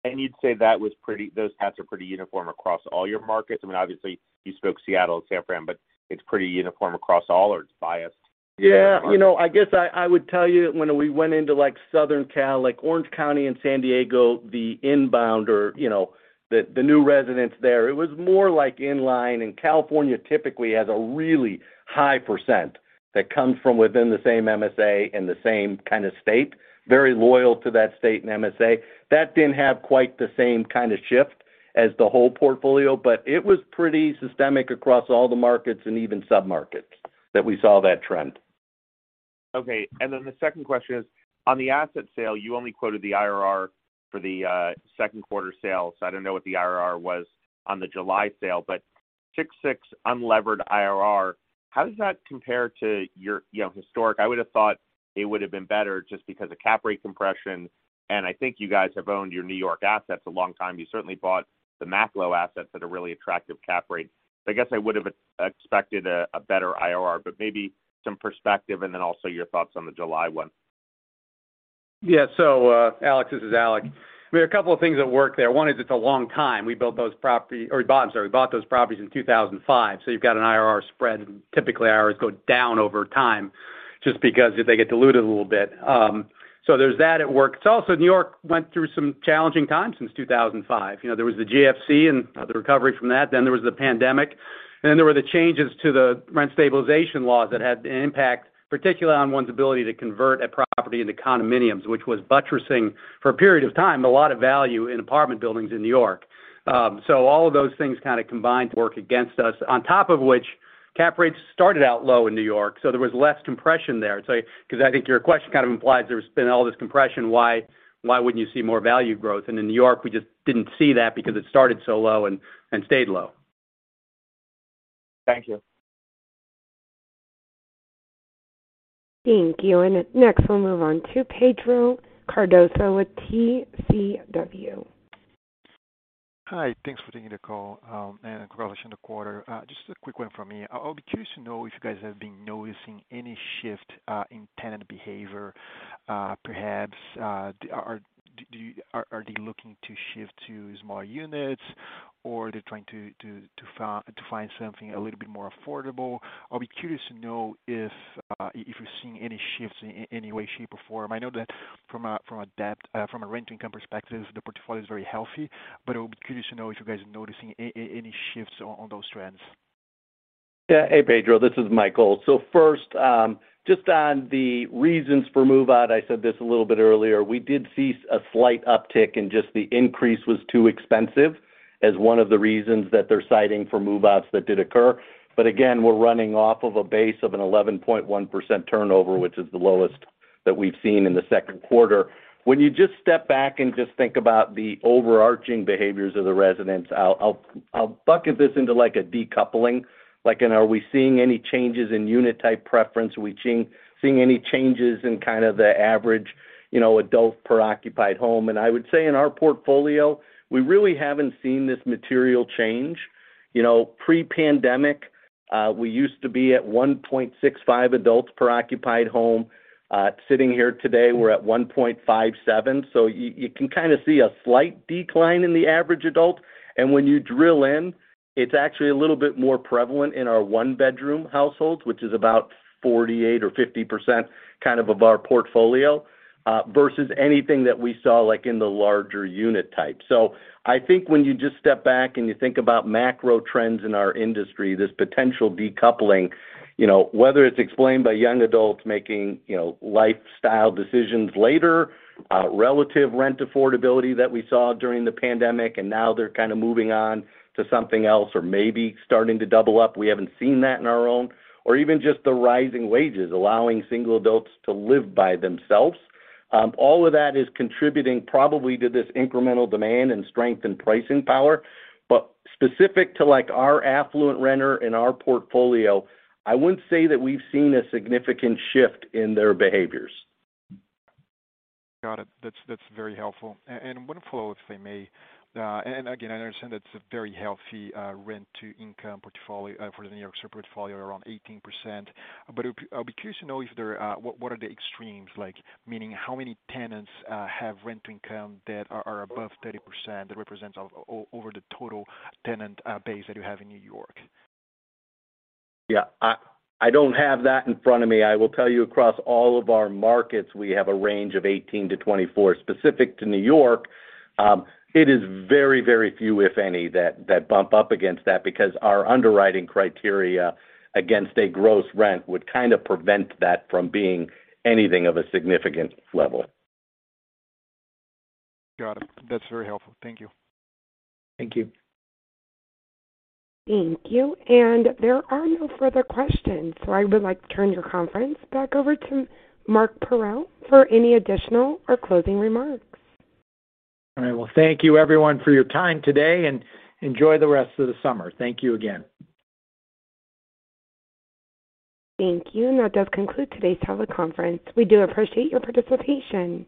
You'd say that was pretty. Those stats are pretty uniform across all your markets? I mean, obviously, you spoke Seattle and San Fran, but it's pretty uniform across all or it's biased? Yeah. You know, I guess I would tell you, when we went into like Southern Cal, like Orange County and San Diego, the inbound or, you know, the new residents there, it was more like inline. California typically has a really high percent that comes from within the same MSA and the same kind of state, very loyal to that state and MSA. That didn't have quite the same kind of shift as the whole portfolio, but it was pretty systemic across all the markets and even sub-markets that we saw that trend. Okay. The second question is, on the asset sale, you only quoted the IRR for the second quarter sale, so I don't know what the IRR was on the July sale. 6.6% Unlevered IRR, how does that compare to your, you know, historic? I would have thought it would have been better just because of cap rate compression, and I think you guys have owned your New York assets a long time. You certainly bought the Macklowe assets at a really attractive cap rate. I guess I would have expected a better IRR, but maybe some perspective and then also your thoughts on the July 1. Yeah, Alex, this is Alec. I mean, a couple of things at work there. One is it's a long time. We bought those properties in 2005, so you've got an IRR spread, and typically IRRs go down over time just because they get diluted a little bit. There's that at work. It's also New York went through some challenging times since 2005. You know, there was the GFC and the recovery from that, then there was the pandemic, and then there were the changes to the rent stabilization laws that had an impact, particularly on one's ability to convert a property into condominiums, which was buttressing for a period of time, a lot of value in apartment buildings in New York. All of those things kind of combined to work against us. On top of which, cap rates started out low in New York, so there was less compression there. 'Cause I think your question kind of implies there's been all this compression, why wouldn't you see more value growth? In New York, we just didn't see that because it started so low and stayed low. Thank you. Thank you. Next, we'll move on to Pedro Cardoso with TCW. Hi. Thanks for taking the call, and congratulations on the quarter. Just a quick one from me. I'll be curious to know if you guys have been noticing any shift in tenant behavior, perhaps are they looking to shift to smaller units, or they're trying to find something a little bit more affordable? I'll be curious to know if you're seeing any shifts in any way, shape, or form. I know that from a rent-to-income perspective, the portfolio is very healthy, but it would be curious to know if you guys are noticing any shifts on those trends. Yeah. Hey, Pedro, this is Michael. First, just on the reasons for move-out, I said this a little bit earlier. We did see a slight uptick in just the increase was too expensive as one of the reasons that they're citing for move-outs that did occur. Again, we're running off of a base of an 11.1% turnover, which is the lowest that we've seen in the second quarter. When you just step back and just think about the overarching behaviors of the residents, I'll bucket this into like a decoupling, like in, are we seeing any changes in unit type preference? Are we seeing any changes in kind of the average, you know, adult per occupied home? I would say in our portfolio, we really haven't seen this material change. You know, pre-pandemic, we used to be at 1.65 adults per occupied home. Sitting here today, we're at 1.57. You can kinda see a slight decline in the average adult. When you drill in, it's actually a little bit more prevalent in our one-bedroom households, which is about 48% or 50% kind of our portfolio, versus anything that we saw, like, in the larger unit type. I think when you just step back and you think about macro trends in our industry, this potential decoupling, you know, whether it's explained by young adults making, you know, lifestyle decisions later, relative rent affordability that we saw during the pandemic, and now they're kinda moving on to something else or maybe starting to double up, we haven't seen that on our own, or even just the rising wages, allowing single adults to live by themselves. All of that is contributing probably to this incremental demand and strength in pricing power. But specific to, like, our affluent renter and our portfolio, I wouldn't say that we've seen a significant shift in their behaviors. Got it. That's very helpful. One follow-up, if I may. Again, I understand it's a very healthy rent-to-income portfolio for the New York portfolio, around 18%. I'll be curious to know what the extremes are like. Meaning how many tenants have rent-to-income that are above 30% that represents over the total tenant base that you have in New York? Yeah. I don't have that in front of me. I will tell you across all of our markets, we have a range of 18%-24%. Specific to New York, it is very, very few, if any, that bump up against that because our underwriting criteria against a gross rent would kinda prevent that from being anything of a significant level. Got it. That's very helpful. Thank you. Thank you. Thank you. There are no further questions. I would like to turn your conference back over to Mark Parrell for any additional or closing remarks. All right. Well, thank you everyone for your time today, and enjoy the rest of the summer. Thank you again. Thank you. That does conclude today's teleconference. We do appreciate your participation.